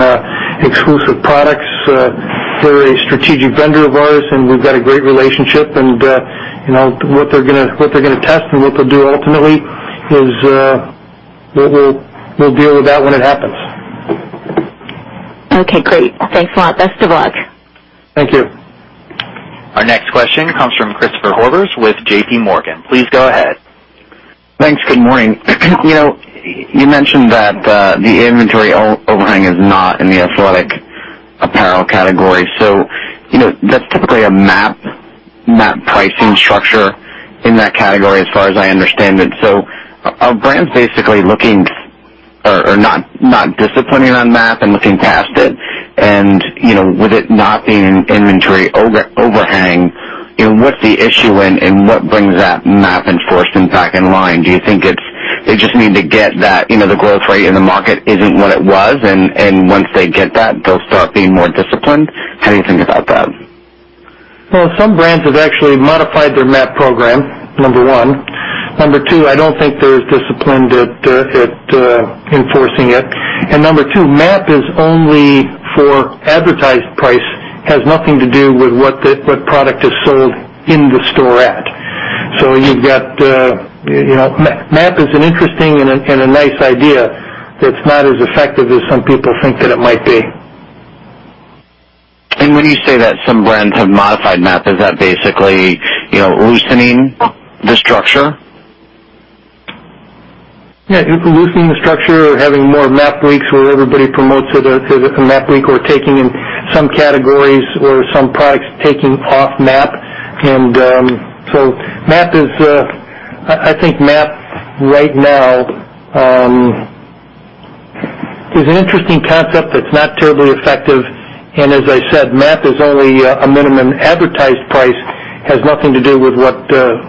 Speaker 3: exclusive products. They're a strategic vendor of ours, and we've got a great relationship, and what they're going to test and what they'll do ultimately, we'll deal with that when it happens.
Speaker 14: Okay, great. Thanks a lot. Best of luck.
Speaker 3: Thank you.
Speaker 1: Our next question comes from Christopher Horvers with J.P. Morgan. Please go ahead.
Speaker 15: Thanks. Good morning. You mentioned that the inventory overhang is not in the athletic apparel category. That's typically a MAP pricing structure in that category, as far as I understand it. Are brands basically looking or not disciplining on MAP and looking past it? With it not being an inventory overhang, what's the issue and what brings that MAP enforcement back in line? Do you think they just need to get that the growth rate in the market isn't what it was, and once they get that, they'll start being more disciplined? How do you think about that?
Speaker 3: Well, some brands have actually modified their MAP program, number one. Number two, I don't think there's discipline at enforcing it. Number two, MAP is only for advertised price. It has nothing to do with what product is sold in the store at. MAP is an interesting and a nice idea that's not as effective as some people think that it might be.
Speaker 15: When you say that some brands have modified MAP, is that basically loosening the structure?
Speaker 3: Yeah. Loosening the structure or having more MAP weeks where everybody promotes a MAP week or some categories or some products taking off MAP. I think MAP right now is an interesting concept that's not terribly effective, and as I said, MAP is only a minimum advertised price. It has nothing to do with what the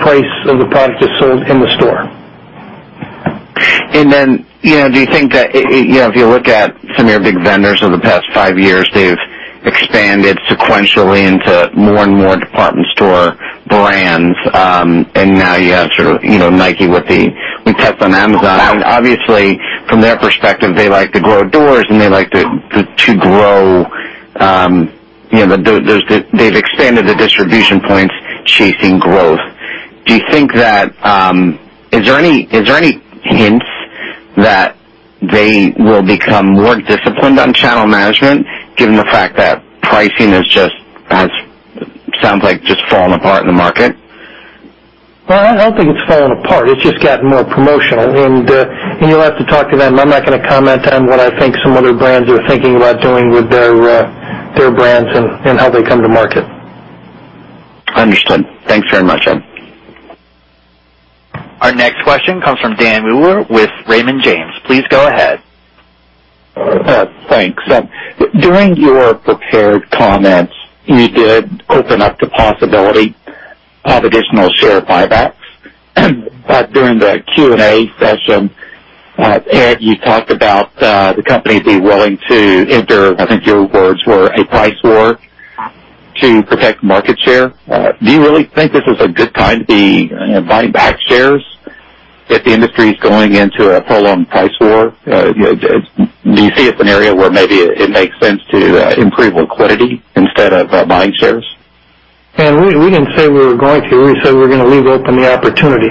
Speaker 3: price of the product is sold in the store.
Speaker 15: Then, do you think that if you look at some of your big vendors over the past five years, they've expanded sequentially into more and more department store brands, now you have Nike with the test on Amazon, obviously from their perspective, they like to grow doors and they like to grow. They've expanded the distribution points chasing growth. Is there any hints that they will become more disciplined on channel management, given the fact that pricing sounds like just falling apart in the market?
Speaker 3: Well, I don't think it's falling apart. It's just gotten more promotional, and you'll have to talk to them. I'm not going to comment on what I think some other brands are thinking about doing with their brands and how they come to market.
Speaker 15: Understood. Thanks very much, Ed.
Speaker 1: Our next question comes from Daniel Muller with Raymond James. Please go ahead.
Speaker 16: Thanks. During your prepared comments, you did open up the possibility of additional share buybacks. During the Q&A session, Ed, you talked about the company being willing to enter, I think your words were, a price war to protect market share. Do you really think this is a good time to be buying back shares if the industry is going into a prolonged price war? Do you see it as an area where maybe it makes sense to improve liquidity instead of buying shares?
Speaker 3: Dan, we didn't say we were going to. We said we're going to leave open the opportunity.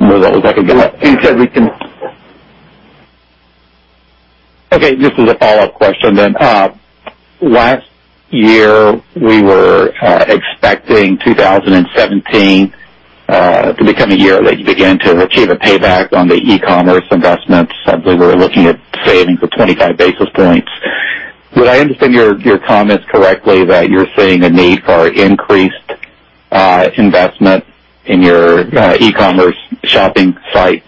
Speaker 16: No, that was like.
Speaker 3: You said we can.
Speaker 16: This is a follow-up question then. Last year, we were expecting 2017 to become a year that you began to achieve a payback on the e-commerce investments. I believe we were looking at savings of 25 basis points. Would I understand your comments correctly that you're seeing a need for increased investment in your e-commerce shopping site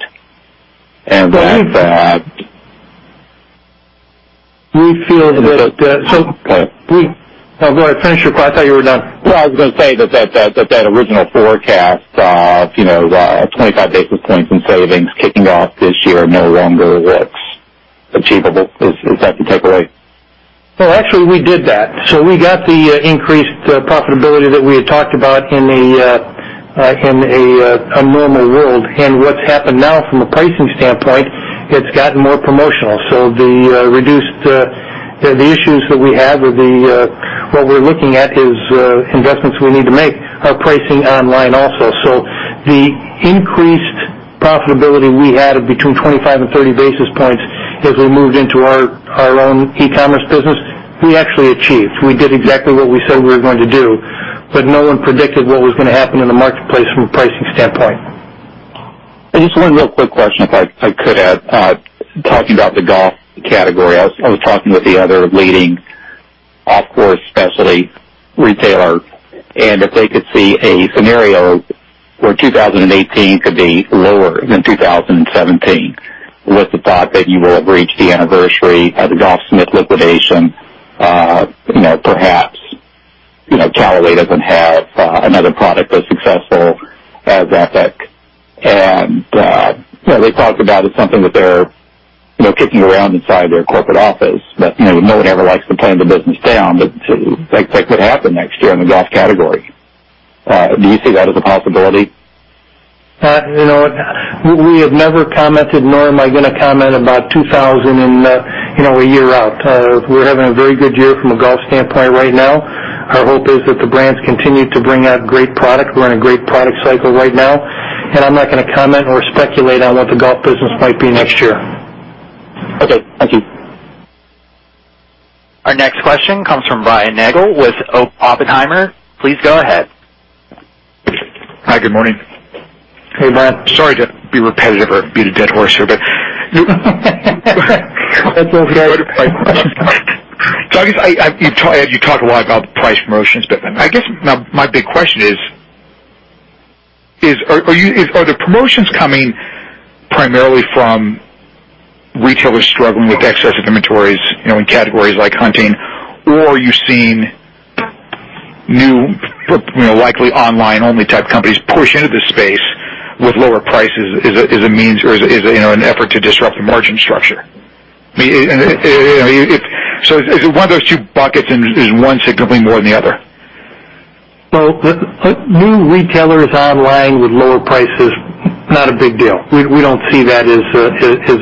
Speaker 16: and that.
Speaker 3: We feel that
Speaker 16: Okay.
Speaker 3: I'm going to finish your thought. I thought you were done.
Speaker 16: Well, I was going to say that original forecast of 25 basis points in savings kicking off this year no longer looks achievable. Is that the takeaway?
Speaker 3: Well, actually, we did that. We got the increased profitability that we had talked about in a normal world. What's happened now from a pricing standpoint, it's gotten more promotional. The issues that we had or what we're looking at is investments we need to make are pricing online also. The increased profitability we had of between 25 and 30 basis points as we moved into our own e-commerce business, we actually achieved. We did exactly what we said we were going to do, no one predicted what was going to happen in the marketplace from a pricing standpoint.
Speaker 16: Just one real quick question, if I could add. Talking about the golf category, I was talking with the other leading off-course specialty retailer, if they could see a scenario where 2018 could be lower than 2017 with the thought that you won't reach the anniversary of the Golfsmith liquidation. Perhaps Callaway doesn't have another product as successful as Epic. They talked about it's something that they're kicking around inside their corporate office, but no one ever likes to tone the business down, but that could happen next year in the golf category. Do you see that as a possibility?
Speaker 3: We have never commented, nor am I going to comment about [2,000 and a year out]. We're having a very good year from a golf standpoint right now. Our hope is that the brands continue to bring out great product. We're in a great product cycle right now, I'm not going to comment or speculate on what the golf business might be next year.
Speaker 16: Okay. Thank you.
Speaker 1: Our next question comes from Brian Nagel with Oppenheimer. Please go ahead.
Speaker 17: Hi. Good morning.
Speaker 3: Hey, Brian.
Speaker 17: Sorry to be repetitive or beat a dead horse here.
Speaker 3: That's okay.
Speaker 17: I guess, you talk a lot about price promotions, I guess now my big question is, are the promotions coming primarily from retailers struggling with excess of inventories, in categories like hunting? Or are you seeing new, likely online-only type companies push into the space with lower prices as a means, or as an effort to disrupt the margin structure? Is it one of those two buckets and is one significantly more than the other?
Speaker 3: New retailers online with lower prices, not a big deal. We don't see that as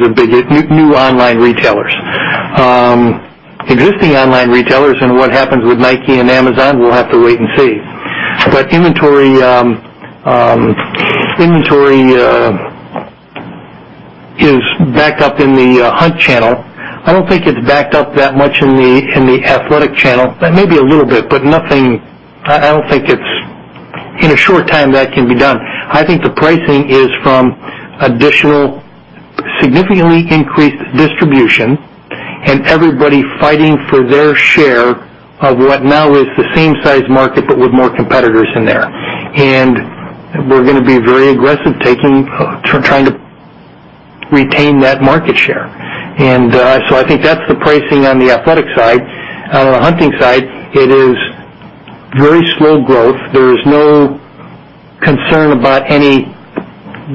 Speaker 3: a big deal. New online retailers. Existing online retailers and what happens with Nike and Amazon, we'll have to wait and see. Inventory is backed up in the hunt channel. I don't think it's backed up that much in the athletic channel. Maybe a little bit, but I don't think in a short time that can be done. I think the pricing is from additional significantly increased distribution and everybody fighting for their share of what now is the same size market, but with more competitors in there. We're going to be very aggressive trying to retain that market share. I think that's the pricing on the athletic side. On the hunting side, it is very slow growth. There is no concern about any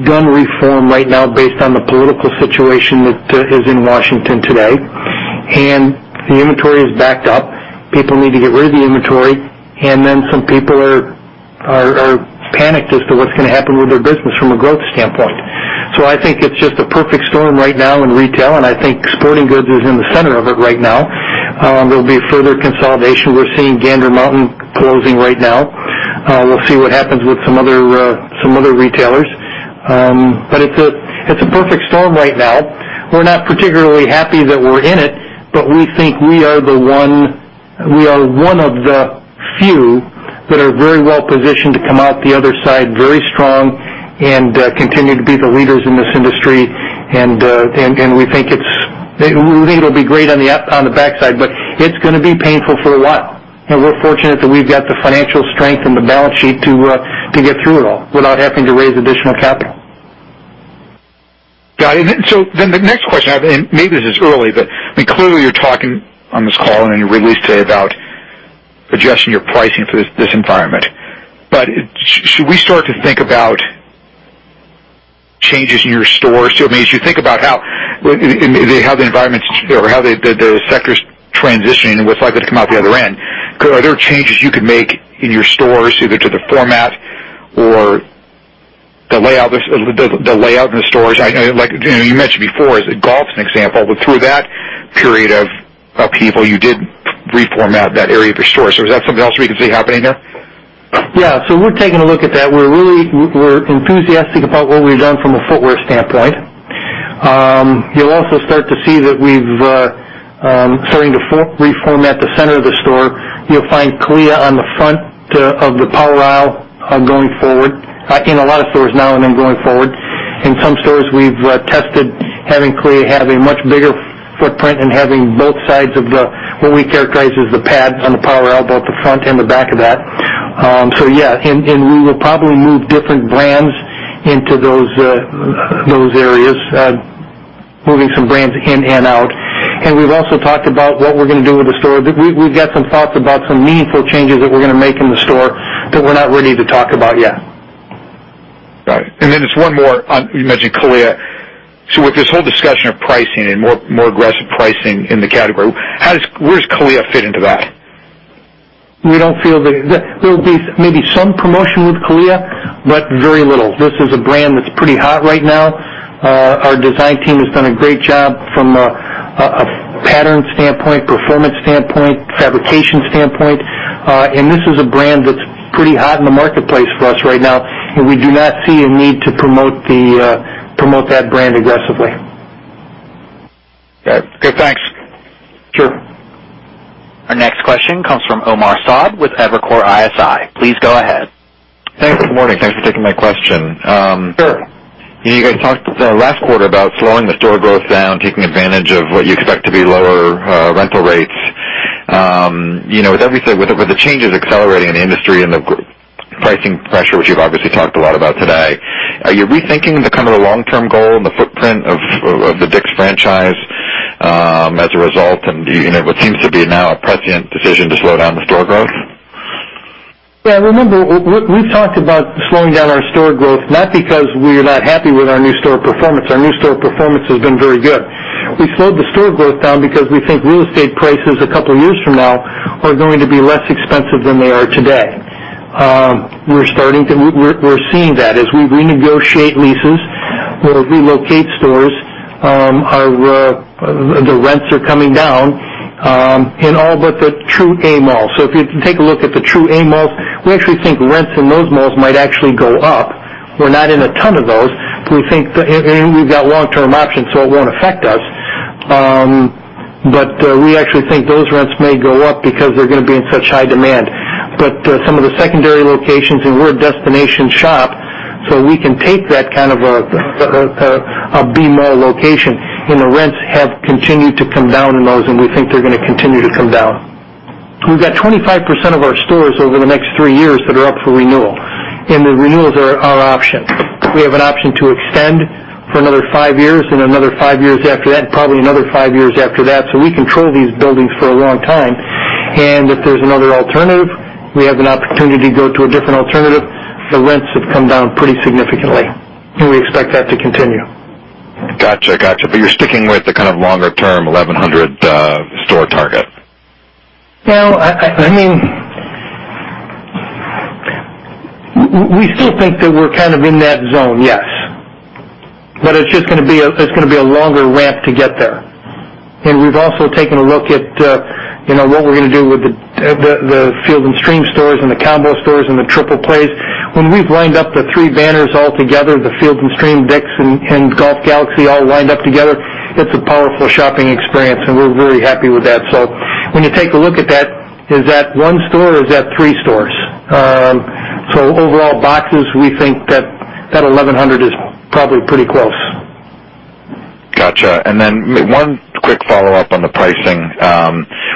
Speaker 3: gun reform right now based on the political situation that is in Washington today. The inventory is backed up. People need to get rid of the inventory. Some people are panicked as to what's going to happen with their business from a growth standpoint. I think it's just a perfect storm right now in retail, and I think sporting goods is in the center of it right now. There'll be further consolidation. We're seeing Gander Mountain closing right now. We'll see what happens with some other retailers. It's a perfect storm right now. We're not particularly happy that we're in it, but we think we are one of the few that are very well positioned to come out the other side very strong and continue to be the leaders in this industry. We think it'll be great on the backside, but it's going to be painful for a while. We're fortunate that we've got the financial strength and the balance sheet to get through it all without having to raise additional capital.
Speaker 17: Got it. The next question, and maybe this is early, but clearly, you're talking on this call and in your release today about adjusting your pricing for this environment. Should we start to think about changes in your stores? As you think about how the environment's, or how the sector's transitioning and what's likely to come out the other end, are there changes you could make in your stores, either to the format or the layout in the stores? You mentioned before as a golf example, but through that period of upheaval, you did reformat that area of your store. Is that something else we can see happening there?
Speaker 3: Yeah. We're taking a look at that. We're enthusiastic about what we've done from a footwear standpoint. You'll also start to see that we've starting to reformat the center of the store. You'll find CALIA on the front of the power aisle going forward, in a lot of stores now and then going forward. In some stores, we've tested having CALIA have a much bigger footprint and having both sides of what we characterize as the pad on the power aisle, both the front and the back of that. We will probably move different brands into those areas, moving some brands in and out. We've also talked about what we're going to do with the store. We've got some thoughts about some meaningful changes that we're going to make in the store that we're not ready to talk about yet.
Speaker 17: Got it. Just one more. You mentioned CALIA. With this whole discussion of pricing and more aggressive pricing in the category, where does CALIA fit into that?
Speaker 3: There will be maybe some promotion with CALIA, but very little. This is a brand that's pretty hot right now. Our design team has done a great job from a pattern standpoint, performance standpoint, fabrication standpoint. This is a brand that's pretty hot in the marketplace for us right now, and we do not see a need to promote that brand aggressively.
Speaker 17: Okay. Thanks.
Speaker 3: Sure.
Speaker 1: Our next question comes from Omar Saad with Evercore ISI. Please go ahead.
Speaker 18: Thanks. Good morning. Thanks for taking my question.
Speaker 3: Sure.
Speaker 18: You guys talked last quarter about slowing the store growth down, taking advantage of what you expect to be lower rental rates. With the changes accelerating in the industry and the pricing pressure, which you've obviously talked a lot about today, are you rethinking the long-term goal and the footprint of the DICK'S franchise? As a result and what seems to be now a prescient decision to slow down the store growth?
Speaker 3: Remember, we've talked about slowing down our store growth, not because we're not happy with our new store performance. Our new store performance has been very good. We slowed the store growth down because we think real estate prices a couple years from now are going to be less expensive than they are today. We're seeing that as we renegotiate leases or relocate stores, the rents are coming down in all but the true A malls. If you take a look at the true A malls, we actually think rents in those malls might actually go up. We're not in a ton of those, and we've got long-term options, so it won't affect us. We actually think those rents may go up because they're going to be in such high demand. Some of the secondary locations, and we're a destination shop, so we can take that kind of a B mall location, and the rents have continued to come down in those, and we think they're going to continue to come down. We've got 25% of our stores over the next three years that are up for renewal, and the renewals are our option. We have an option to extend for another five years and another five years after that, and probably another five years after that. We control these buildings for a long time. If there's another alternative, we have an opportunity to go to a different alternative. The rents have come down pretty significantly, and we expect that to continue.
Speaker 18: Got you. You're sticking with the longer term 1,100 store target?
Speaker 3: We still think that we're kind of in that zone, yes. It's going to be a longer ramp to get there. We've also taken a look at what we're going to do with the Field & Stream stores and the combo stores and the triple plays. When we've lined up the three banners all together, the Field & Stream, DICK'S, and Golf Galaxy all lined up together, it's a powerful shopping experience, and we're very happy with that. When you take a look at that, is that one store or is that three stores? Overall boxes, we think that that 1,100 is probably pretty close.
Speaker 18: Got you. Then one quick follow-up on the pricing.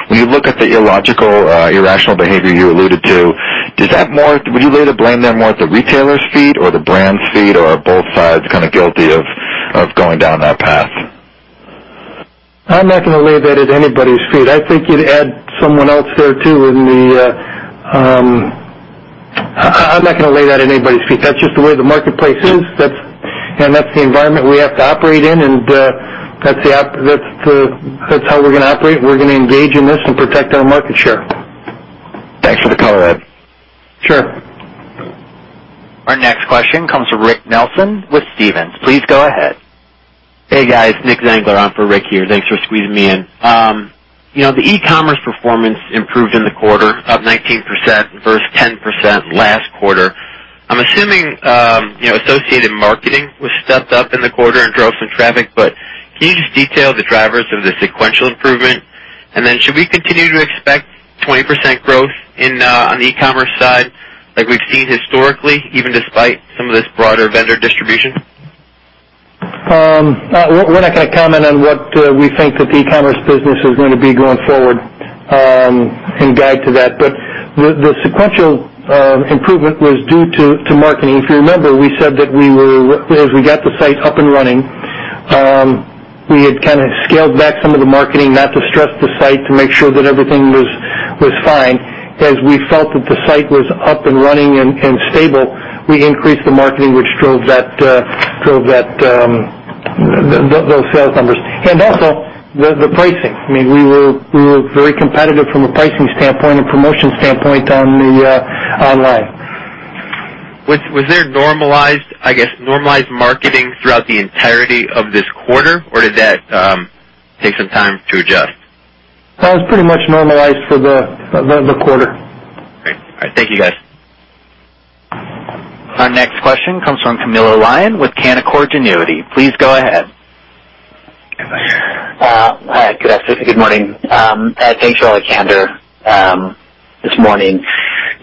Speaker 18: When you look at the irrational behavior you alluded to, would you lay the blame there more at the retailer's feet or the brand's feet, or are both sides kind of guilty of going down that path?
Speaker 3: I'm not going to lay that at anybody's feet. I think you'd add someone else there, too. I'm not going to lay that at anybody's feet. That's just the way the marketplace is. That's the environment we have to operate in, and that's how we're going to operate. We're going to engage in this and protect our market share.
Speaker 18: Thanks for the color.
Speaker 3: Sure.
Speaker 1: Our next question comes from Rick Nelson with Stephens. Please go ahead.
Speaker 19: Hey, guys. Nick Zangla on for Rick here. Thanks for squeezing me in. The e-commerce performance improved in the quarter up 19% versus 10% last quarter. I'm assuming associated marketing was stepped up in the quarter and drove some traffic. Can you just detail the drivers of the sequential improvement, and then should we continue to expect 20% growth on the e-commerce side like we've seen historically, even despite some of this broader vendor distribution?
Speaker 3: We're not going to comment on what we think that the e-commerce business is going to be going forward and guide to that. The sequential improvement was due to marketing. If you remember, we said that as we got the site up and running, we had scaled back some of the marketing, not to stress the site, to make sure that everything was fine. As we felt that the site was up and running and stable, we increased the marketing, which drove those sales numbers. Also, the pricing. We were very competitive from a pricing standpoint and promotion standpoint online.
Speaker 19: Was there normalized marketing throughout the entirety of this quarter, or did that take some time to adjust?
Speaker 3: It was pretty much normalized for the quarter.
Speaker 19: Great. All right. Thank you, guys.
Speaker 1: Our next question comes from Camilo Lyon with Canaccord Genuity. Please go ahead.
Speaker 20: Hi. Good afternoon. Good morning. Thanks for all the candor this morning.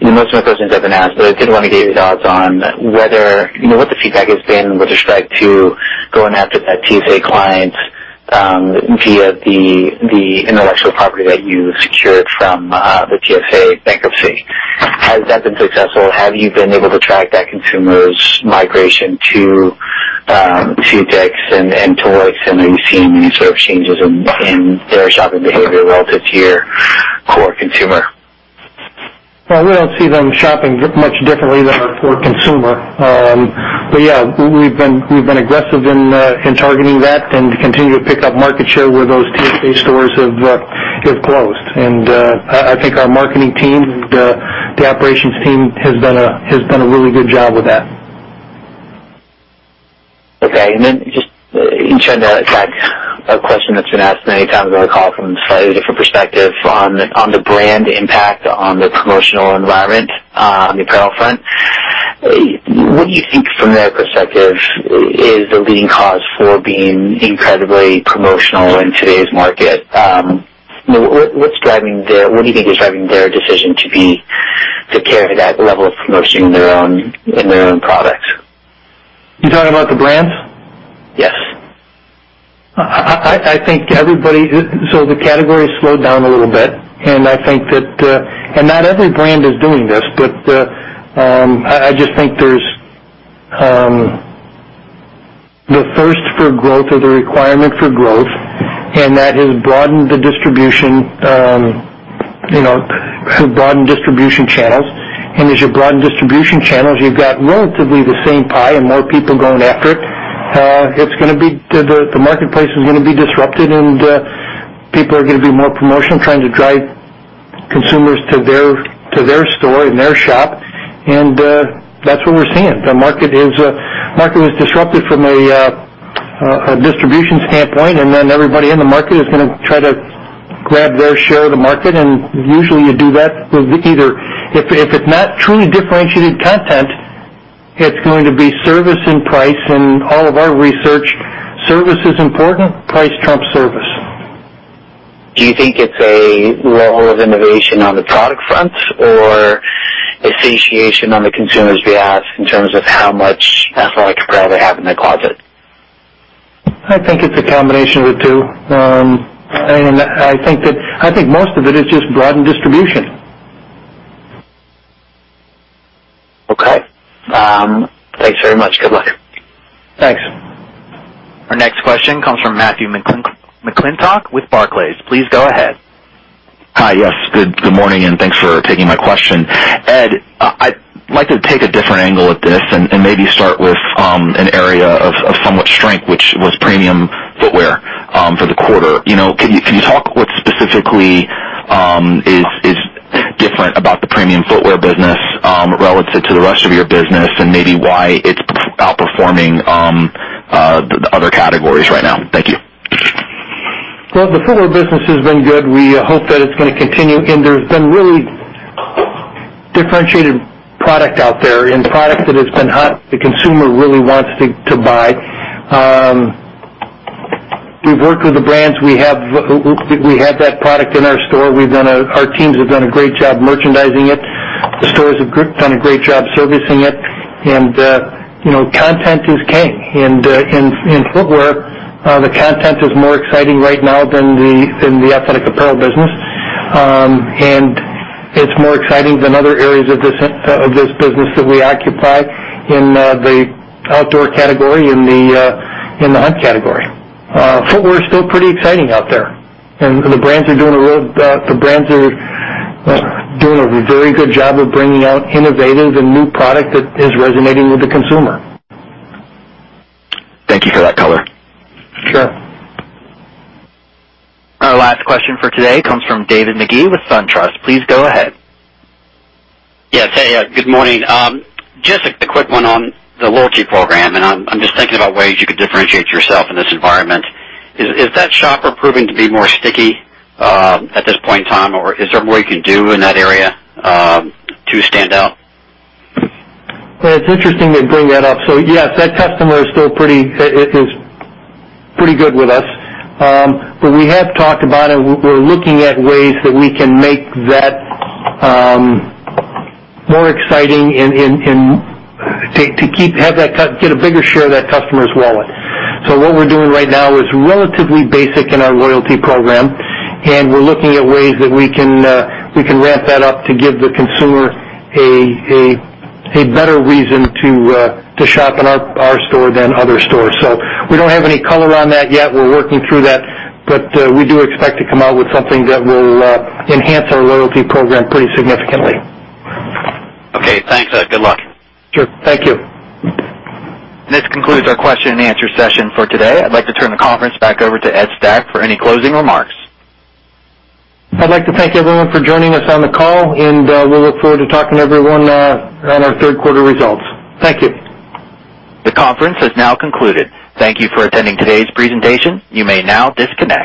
Speaker 20: Most of my questions have been asked, but I did want to get your thoughts on what the feedback has been with respect to going after TSA clients via the intellectual property that you secured from the TSA bankruptcy. Has that been successful? Have you been able to track that consumer's migration to DICK'S and Golf Galaxy? Are you seeing any sort of changes in their shopping behavior relative to your core consumer?
Speaker 3: Well, we don't see them shopping much differently than our core consumer. Yeah, we've been aggressive in targeting that and continue to pick up market share where those TSA stores have closed. I think our marketing team and the operations team has done a really good job with that.
Speaker 20: Okay. Just in trying to attack a question that's been asked many times on the call from slightly different perspective on the brand impact on the promotional environment on the apparel front. What do you think from their perspective is the leading cause for being incredibly promotional in today's market? What do you think is driving their decision to carry that level of promotion in their own products?
Speaker 3: You're talking about the brands?
Speaker 20: Yes.
Speaker 3: The category slowed down a little bit. Not every brand is doing this, but I just think there's the thirst for growth or the requirement for growth, and that has broadened the distribution channels. As you broaden distribution channels, you've got relatively the same pie and more people going after it. The marketplace is going to be disrupted, and people are going to be more promotional, trying to drive consumers to their store and their shop. That's what we're seeing. The market was disrupted from a distribution standpoint. Everybody in the market is going to try to grab their share of the market. Usually, you do that with either If it's not truly differentiated content, it's going to be service and price. In all of our research, service is important. Price trumps service.
Speaker 20: Do you think it's a lull of innovation on the product front or association on the consumer's behalf in terms of how much athletic apparel they have in their closet?
Speaker 3: I think it's a combination of the two. I think most of it is just broadened distribution.
Speaker 20: Okay. Thanks very much. Good luck.
Speaker 3: Thanks.
Speaker 1: Our next question comes from Matthew McClintock with Barclays. Please go ahead.
Speaker 21: Hi. Yes. Good morning, and thanks for taking my question. Ed, I'd like to take a different angle at this and maybe start with an area of somewhat strength, which was premium footwear for the quarter. Can you talk what specifically is different about the premium footwear business relative to the rest of your business and maybe why it's outperforming the other categories right now? Thank you.
Speaker 3: Well, the footwear business has been good. We hope that it's going to continue. There's been really differentiated product out there and product that has been hot, the consumer really wants to buy. We've worked with the brands. We had that product in our store. Our teams have done a great job merchandising it. The stores have done a great job servicing it. Content is king. In footwear, the content is more exciting right now than the athletic apparel business. It's more exciting than other areas of this business that we occupy in the outdoor category, in the hunt category. Footwear is still pretty exciting out there, and the brands are doing a very good job of bringing out innovative and new product that is resonating with the consumer.
Speaker 21: Thank you for that color.
Speaker 3: Sure.
Speaker 1: Our last question for today comes from David Magee with SunTrust. Please go ahead.
Speaker 22: Yes. Hey. Good morning. Just a quick one on the loyalty program, I'm just thinking about ways you could differentiate yourself in this environment. Is that shopper proving to be more sticky at this point in time, or is there more you can do in that area to stand out?
Speaker 3: It's interesting you bring that up. Yes, that customer is pretty good with us. We have talked about it. We're looking at ways that we can make that more exciting and get a bigger share of that customer's wallet. What we're doing right now is relatively basic in our loyalty program, and we're looking at ways that we can ramp that up to give the consumer a better reason to shop in our store than other stores. We don't have any color on that yet. We're working through that, but we do expect to come out with something that will enhance our loyalty program pretty significantly.
Speaker 22: Okay. Thanks, Ed. Good luck.
Speaker 3: Sure. Thank you.
Speaker 1: This concludes our question and answer session for today. I'd like to turn the conference back over to Ed Stack for any closing remarks.
Speaker 3: I'd like to thank everyone for joining us on the call. We look forward to talking to everyone on our third quarter results. Thank you.
Speaker 1: The conference has now concluded. Thank you for attending today's presentation. You may now disconnect.